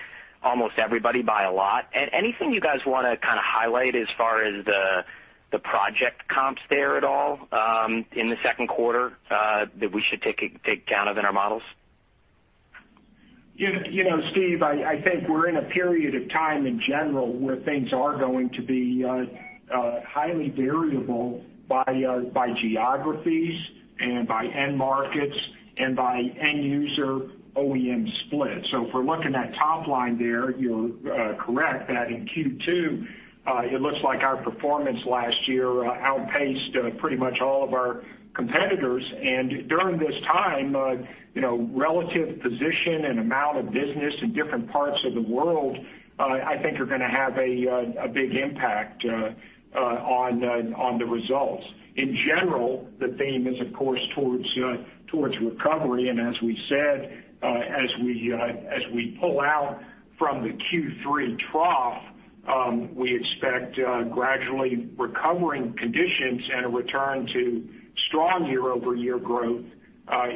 almost everybody by a lot. Anything you guys want to kind of highlight as far as the project comps there at all in the second quarter that we should take account of in our models? Steve, I think we're in a period of time in general where things are going to be highly variable by geographies and by end markets and by end user OEM split. If we're looking at top line there, you're correct that in Q2, it looks like our performance last year outpaced pretty much all of our competitors. During this time, relative position and amount of business in different parts of the world, I think are going to have a big impact on the results. In general, the theme is, of course, towards recovery. As we said, as we pull out from the Q3 trough, we expect gradually recovering conditions and a return to strong year-over-year growth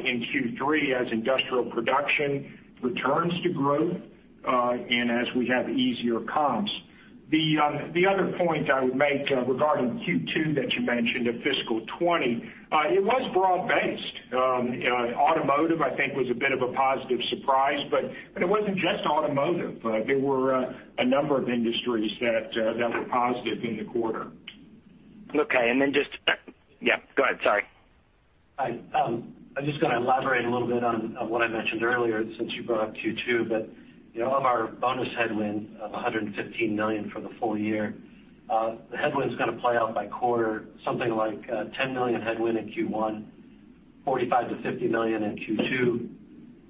in Q3 as industrial production returns to growth and as we have easier comps. The other point I would make regarding Q2 that you mentioned of fiscal 2020, it was broad-based. Automotive, I think, was a bit of a positive surprise, but it wasn't just automotive. There were a number of industries that were positive in the quarter. Okay. Yeah, go ahead, sorry. I'm just going to elaborate a little bit on what I mentioned earlier, since you brought up Q2. Of our bonus headwind of $115 million for the full year, the headwind's going to play out by quarter, something like $10 million headwind in Q1, $45 million-$50 million in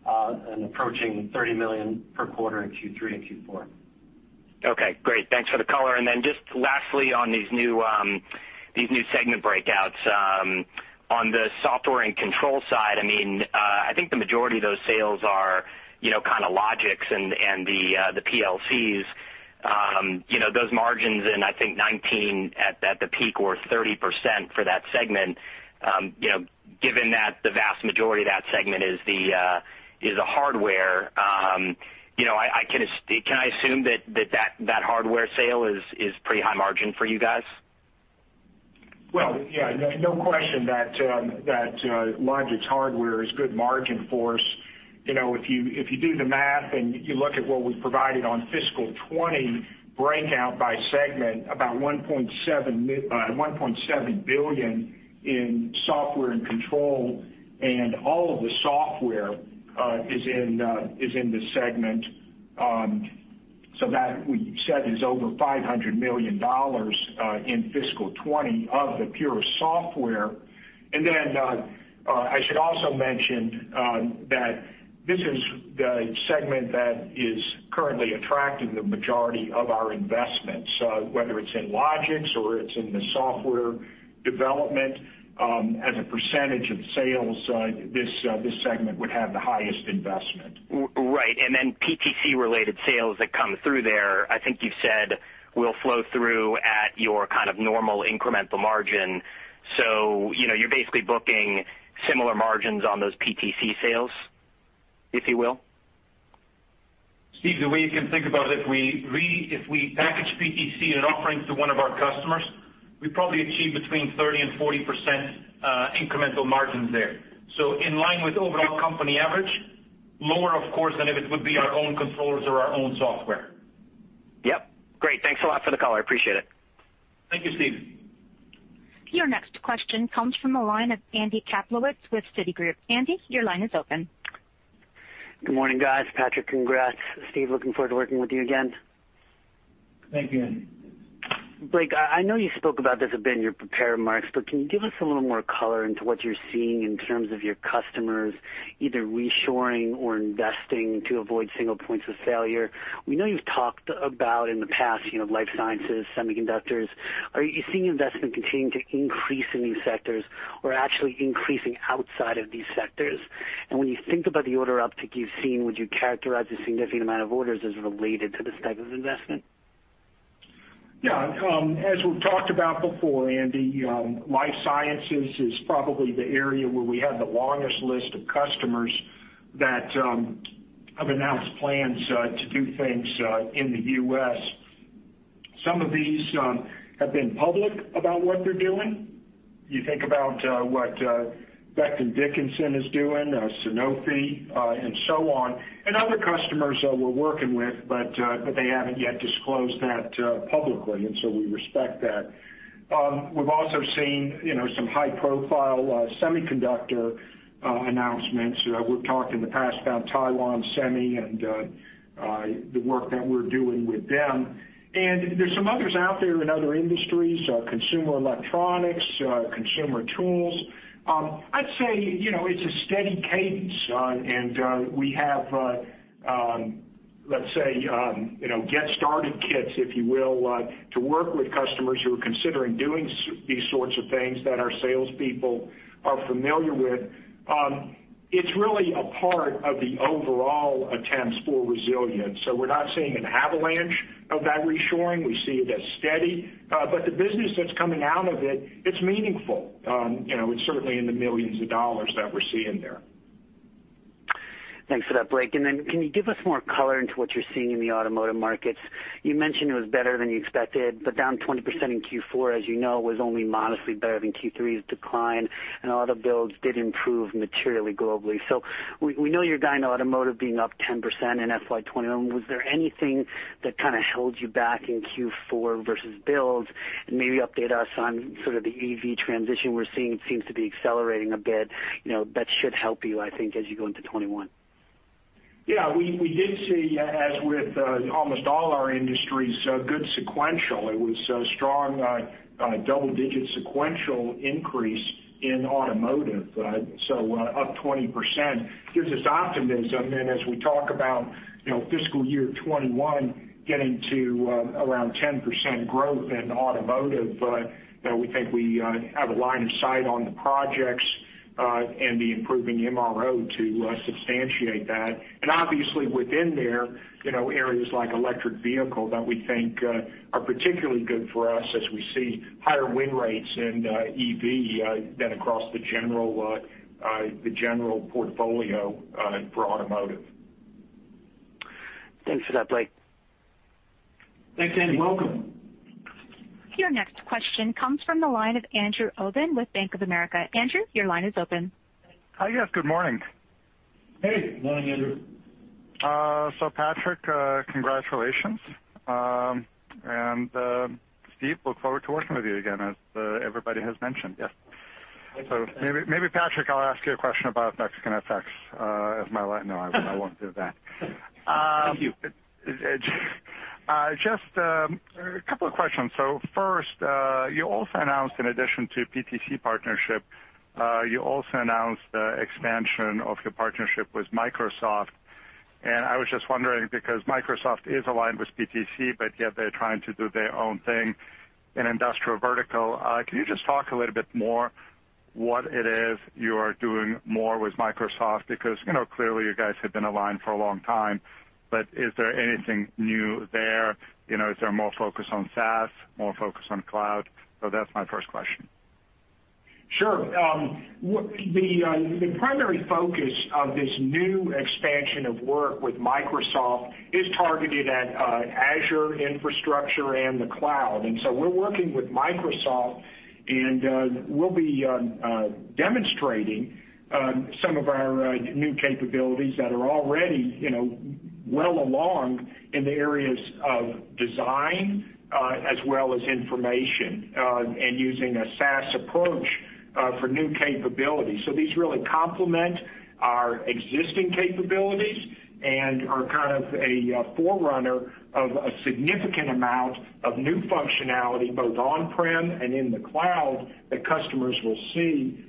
Q2, and approaching $30 million per quarter in Q3 and Q4. Okay, great. Thanks for the color. Lastly on these new segment breakouts. On the Software and Control side, I think the majority of those sales are kind of Logix and the PLCs. Those margins in, I think, 2019 at the peak were 30% for that segment. Given that the vast majority of that segment is the hardware, can I assume that hardware sale is pretty high margin for you guys? Well, yeah. No question that Logix hardware is good margin for us. If you do the math and you look at what we provided on fiscal 2020 breakout by segment, about $1.7 billion in Software and Control, and all of the software is in the segment. That we said is over $500 million in fiscal 2020 of the pure software. I should also mention that this is the segment that is currently attracting the majority of our investments, whether it's in Logix or it's in the software development. As a percentage of sales, this segment would have the highest investment. Right. PTC-related sales that come through there, I think you've said, will flow through at your kind of normal incremental margin. You're basically booking similar margins on those PTC sales, if you will? Steve, the way you can think about it, if we package PTC in an offering to one of our customers, we probably achieve between 30% and 40% incremental margins there. In line with overall company average, lower, of course, than if it would be our own controllers or our own software. Yep. Great. Thanks a lot for the color. I appreciate it. Thank you, Steve. Your next question comes from the line of Andy Kaplowitz with Citigroup. Andy, your line is open. Good morning, guys. Patrick, congrats. Steve, looking forward to working with you again. Thank you, Andy. Blake, I know you spoke about this a bit in your prepared remarks, can you give us a little more color into what you're seeing in terms of your customers either reshoring or investing to avoid single points of failure? We know you've talked about, in the past, Life Sciences, Semiconductors. Are you seeing investment continuing to increase in these sectors or actually increasing outside of these sectors? When you think about the order uptick you've seen, would you characterize a significant amount of orders as related to this type of investment? Yeah. As we've talked about before, Andy, Life Sciences is probably the area where we have the longest list of customers that have announced plans to do things in the U.S. Some of these have been public about what they're doing. You think about what Becton Dickinson is doing, Sanofi, and so on, and other customers that we're working with, but they haven't yet disclosed that publicly. We respect that. We've also seen some high-profile semiconductor announcements. We've talked in the past about Taiwan Semi and the work that we're doing with them. There's some others out there in other industries, consumer electronics, consumer tools. I'd say it's a steady cadence. We have, let's say get-started kits, if you will, to work with customers who are considering doing these sorts of things that our salespeople are familiar with. It's really a part of the overall attempts for resilience. We're not seeing an avalanche of that reshoring. We see it as steady. The business that's coming out of it's meaningful. It's certainly in the millions of dollars that we're seeing there. Thanks for that, Blake. Then can you give us more color into what you're seeing in the automotive markets? You mentioned it was better than you expected, but down 20% in Q4, as you know, was only modestly better than Q3's decline, and auto builds did improve materially globally. We know your guide in automotive being up 10% in FY 2021. Was there anything that kind of held you back in Q4 versus builds? Maybe update us on sort of the EV transition we're seeing. It seems to be accelerating a bit. That should help you, I think, as you go into 2021. We did see, as with almost all our industries, good sequential. It was a strong double-digit sequential increase in automotive, so up 20%. There's this optimism, and as we talk about fiscal year 2021 getting to around 10% growth in automotive, that we think we have a line of sight on the projects, and the improving MRO to substantiate that. Obviously within there, areas like electric vehicle that we think are particularly good for us as we see higher win rates in EV than across the general portfolio for automotive. Thanks for that, Blake. Thanks, Andy. Welcome. Your next question comes from the line of Andrew Obin with Bank of America. Andrew, your line is open. Hi, guys. Good morning. Hey, good morning, Andrew. Patrick, congratulations. Steve, look forward to working with you again, as everybody has mentioned. Yes. Maybe, Patrick, I'll ask you a question about Mexican FX. No, I won't do that. Thank you. Just a couple of questions. First, you also announced in addition to PTC partnership, you also announced the expansion of your partnership with Microsoft. I was just wondering, because Microsoft is aligned with PTC, but yet they're trying to do their own thing in industrial vertical. Can you just talk a little bit more what it is you are doing more with Microsoft? Clearly you guys have been aligned for a long time, but is there anything new there? Is there more focus on SaaS, more focus on cloud? That's my first question. Sure. The primary focus of this new expansion of work with Microsoft is targeted at Azure Infrastructure and the cloud. We're working with Microsoft, and we'll be demonstrating some of our new capabilities that are already well along in the areas of design as well as information, and using a SaaS approach for new capabilities. These really complement our existing capabilities and are kind of a forerunner of a significant amount of new functionality, both on-prem and in the cloud that customers will see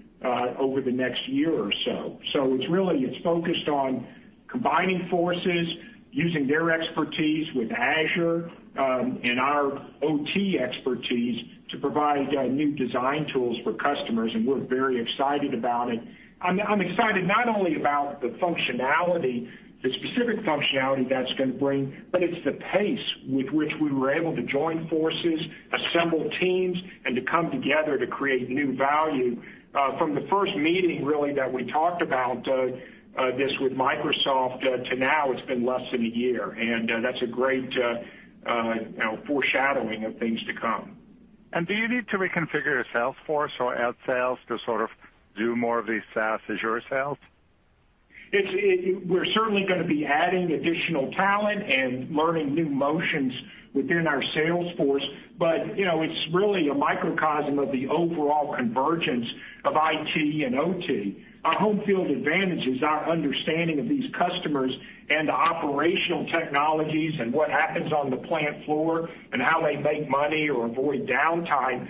over the next year or so. It's really focused on combining forces, using their expertise with Azure and our OT expertise to provide new design tools for customers. We're very excited about it. I'm excited not only about the functionality, the specific functionality that's going to bring, but it's the pace with which we were able to join forces, assemble teams, and to come together to create new value. From the first meeting, really, that we talked about this with Microsoft to now, it's been less than a year. That's a great foreshadowing of things to come. Do you need to reconfigure your sales force or add sales to sort of do more of these SaaS Azure sales? We're certainly going to be adding additional talent and learning new motions within our sales force. It's really a microcosm of the overall convergence of IT and OT. Our home field advantage is our understanding of these customers and the operational technologies and what happens on the plant floor and how they make money or avoid downtime.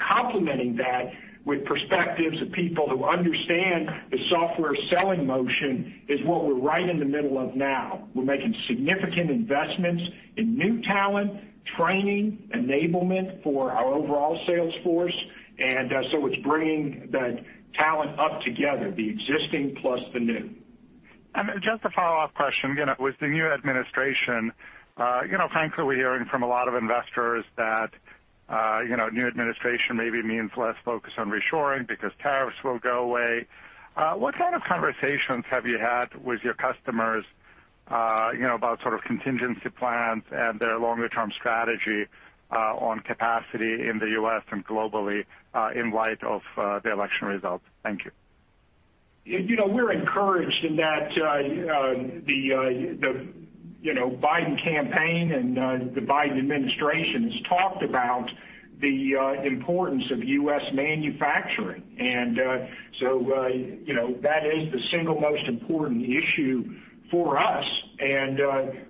Complementing that with perspectives of people who understand the software selling motion is what we're right in the middle of now. We're making significant investments in new talent, training, enablement for our overall sales force. It's bringing that talent up together, the existing plus the new. Just a follow-up question. With the new administration, frankly, we're hearing from a lot of investors that new administration maybe means less focus on reshoring because tariffs will go away. What kind of conversations have you had with your customers about sort of contingency plans and their longer-term strategy on capacity in the U.S. and globally in light of the election results? Thank you. We're encouraged in that the Biden campaign and the Biden administration has talked about the importance of U.S. manufacturing. That is the single most important issue for us, and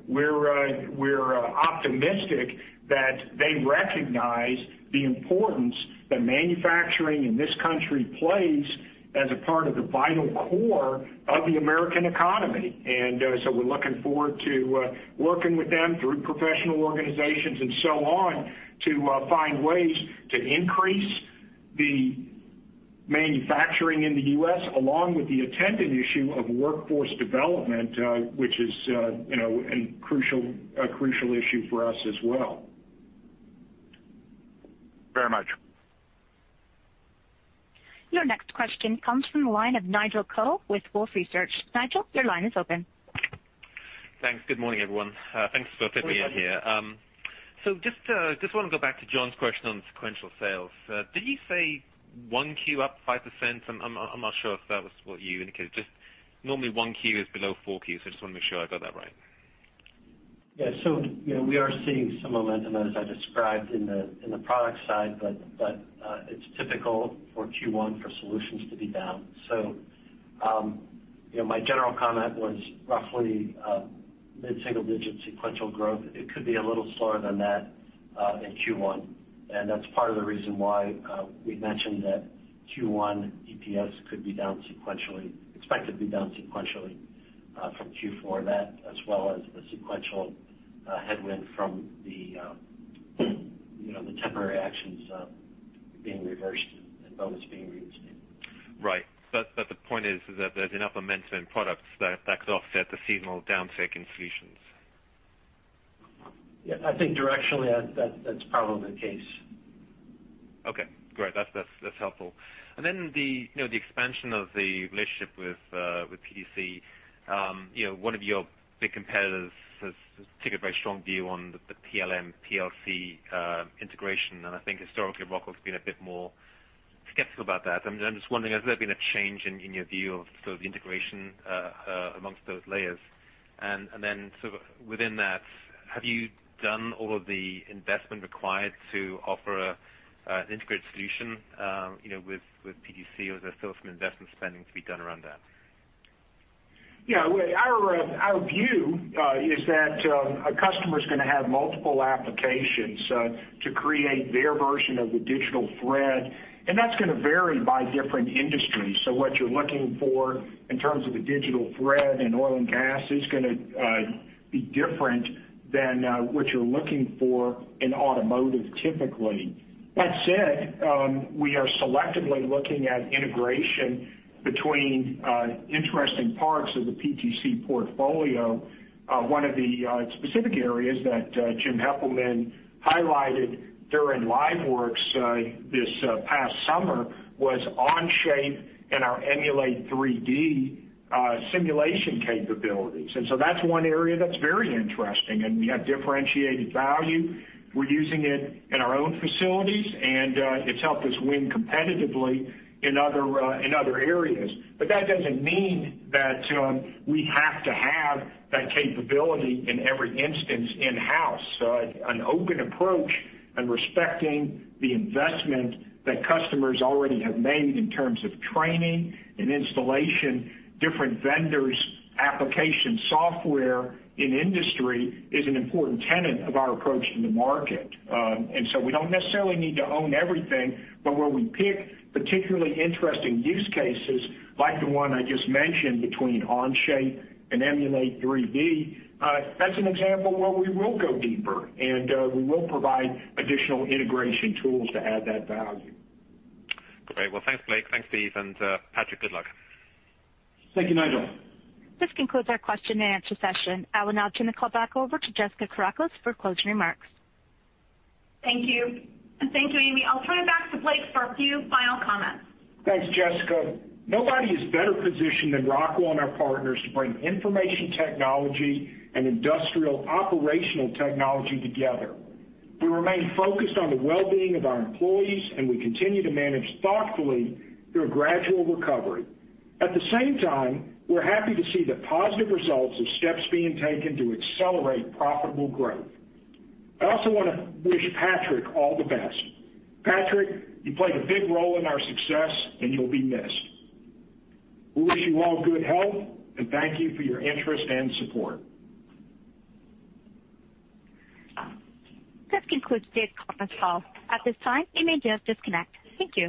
we're optimistic that they recognize the importance that manufacturing in this country plays as a part of the vital core of the American economy. We're looking forward to working with them through professional organizations and so on, to find ways to increase the manufacturing in the U.S., along with the attendant issue of workforce development, which is a crucial issue for us as well. Very much. Your next question comes from the line of Nigel Coe with Wolfe Research. Nigel, your line is open. Thanks. Good morning, everyone. Thanks for fitting me in here. Just want to go back to John's question on sequential sales. Did you say 1Q up 5%? I'm not sure if that was what you indicated. Just normally 1Q is below 4Qs, so I just want to make sure I got that right. Yeah. We are seeing some momentum, as I described in the product side, but it's typical for Q1 for solutions to be down. My general comment was roughly mid-single digit sequential growth. It could be a little slower than that in Q1, and that's part of the reason why we mentioned that Q1 EPS could be down sequentially, expected to be down sequentially from Q4, that as well as the sequential headwind from the temporary actions being reversed and bonus being reinstated. Right. The point is that there's enough momentum in products that offset the seasonal downtick in solutions. Yeah. I think directionally, that's probably the case. Okay, great. That's helpful. Then the expansion of the relationship with PTC. One of your big competitors has taken a very strong view on the PLM, PLC integration, and I think historically, Rockwell's been a bit more skeptical about that. I'm just wondering, has there been a change in your view of the integration amongst those layers? Then sort of within that, have you done all of the investment required to offer an integrated solution with PTC, or is there still some investment spending to be done around that? Yeah. Our view is that a customer's going to have multiple applications to create their version of the digital thread, and that's going to vary by different industries. What you're looking for in terms of the digital thread in Oil and Gas is going to be different than what you're looking for in automotive typically. That said, we are selectively looking at integration between interesting parts of the PTC portfolio. One of the specific areas that Jim Heppelmann highlighted during LiveWorx this past summer was Onshape and our Emulate3D simulation capabilities. That's one area that's very interesting, and we have differentiated value. We're using it in our own facilities, and it's helped us win competitively in other areas. That doesn't mean that we have to have that capability in every instance in-house. An open approach and respecting the investment that customers already have made in terms of training and installation, different vendors, application software in industry is an important tenet of our approach in the market. We don't necessarily need to own everything, but where we pick particularly interesting use cases, like the one I just mentioned between Onshape and Emulate3D, that's an example where we will go deeper, and we will provide additional integration tools to add that value. Great. Well, thanks, Blake. Thanks, Steve. Patrick, good luck. Thank you, Nigel. This concludes our question and answer session. I will now turn the call back over to Jessica Kourakos for closing remarks. Thank you. Thank you, Amy. I'll turn it back to Blake for a few final comments. Thanks, Jessica. Nobody is better positioned than Rockwell and our partners to bring information technology and industrial operational technology together. We remain focused on the well-being of our employees, and we continue to manage thoughtfully through a gradual recovery. At the same time, we're happy to see the positive results of steps being taken to accelerate profitable growth. I also want to wish Patrick all the best. Patrick, you played a big role in our success, and you'll be missed. We wish you all good health, and thank you for your interest and support. This concludes today's conference call. At this time, you may just disconnect. Thank you.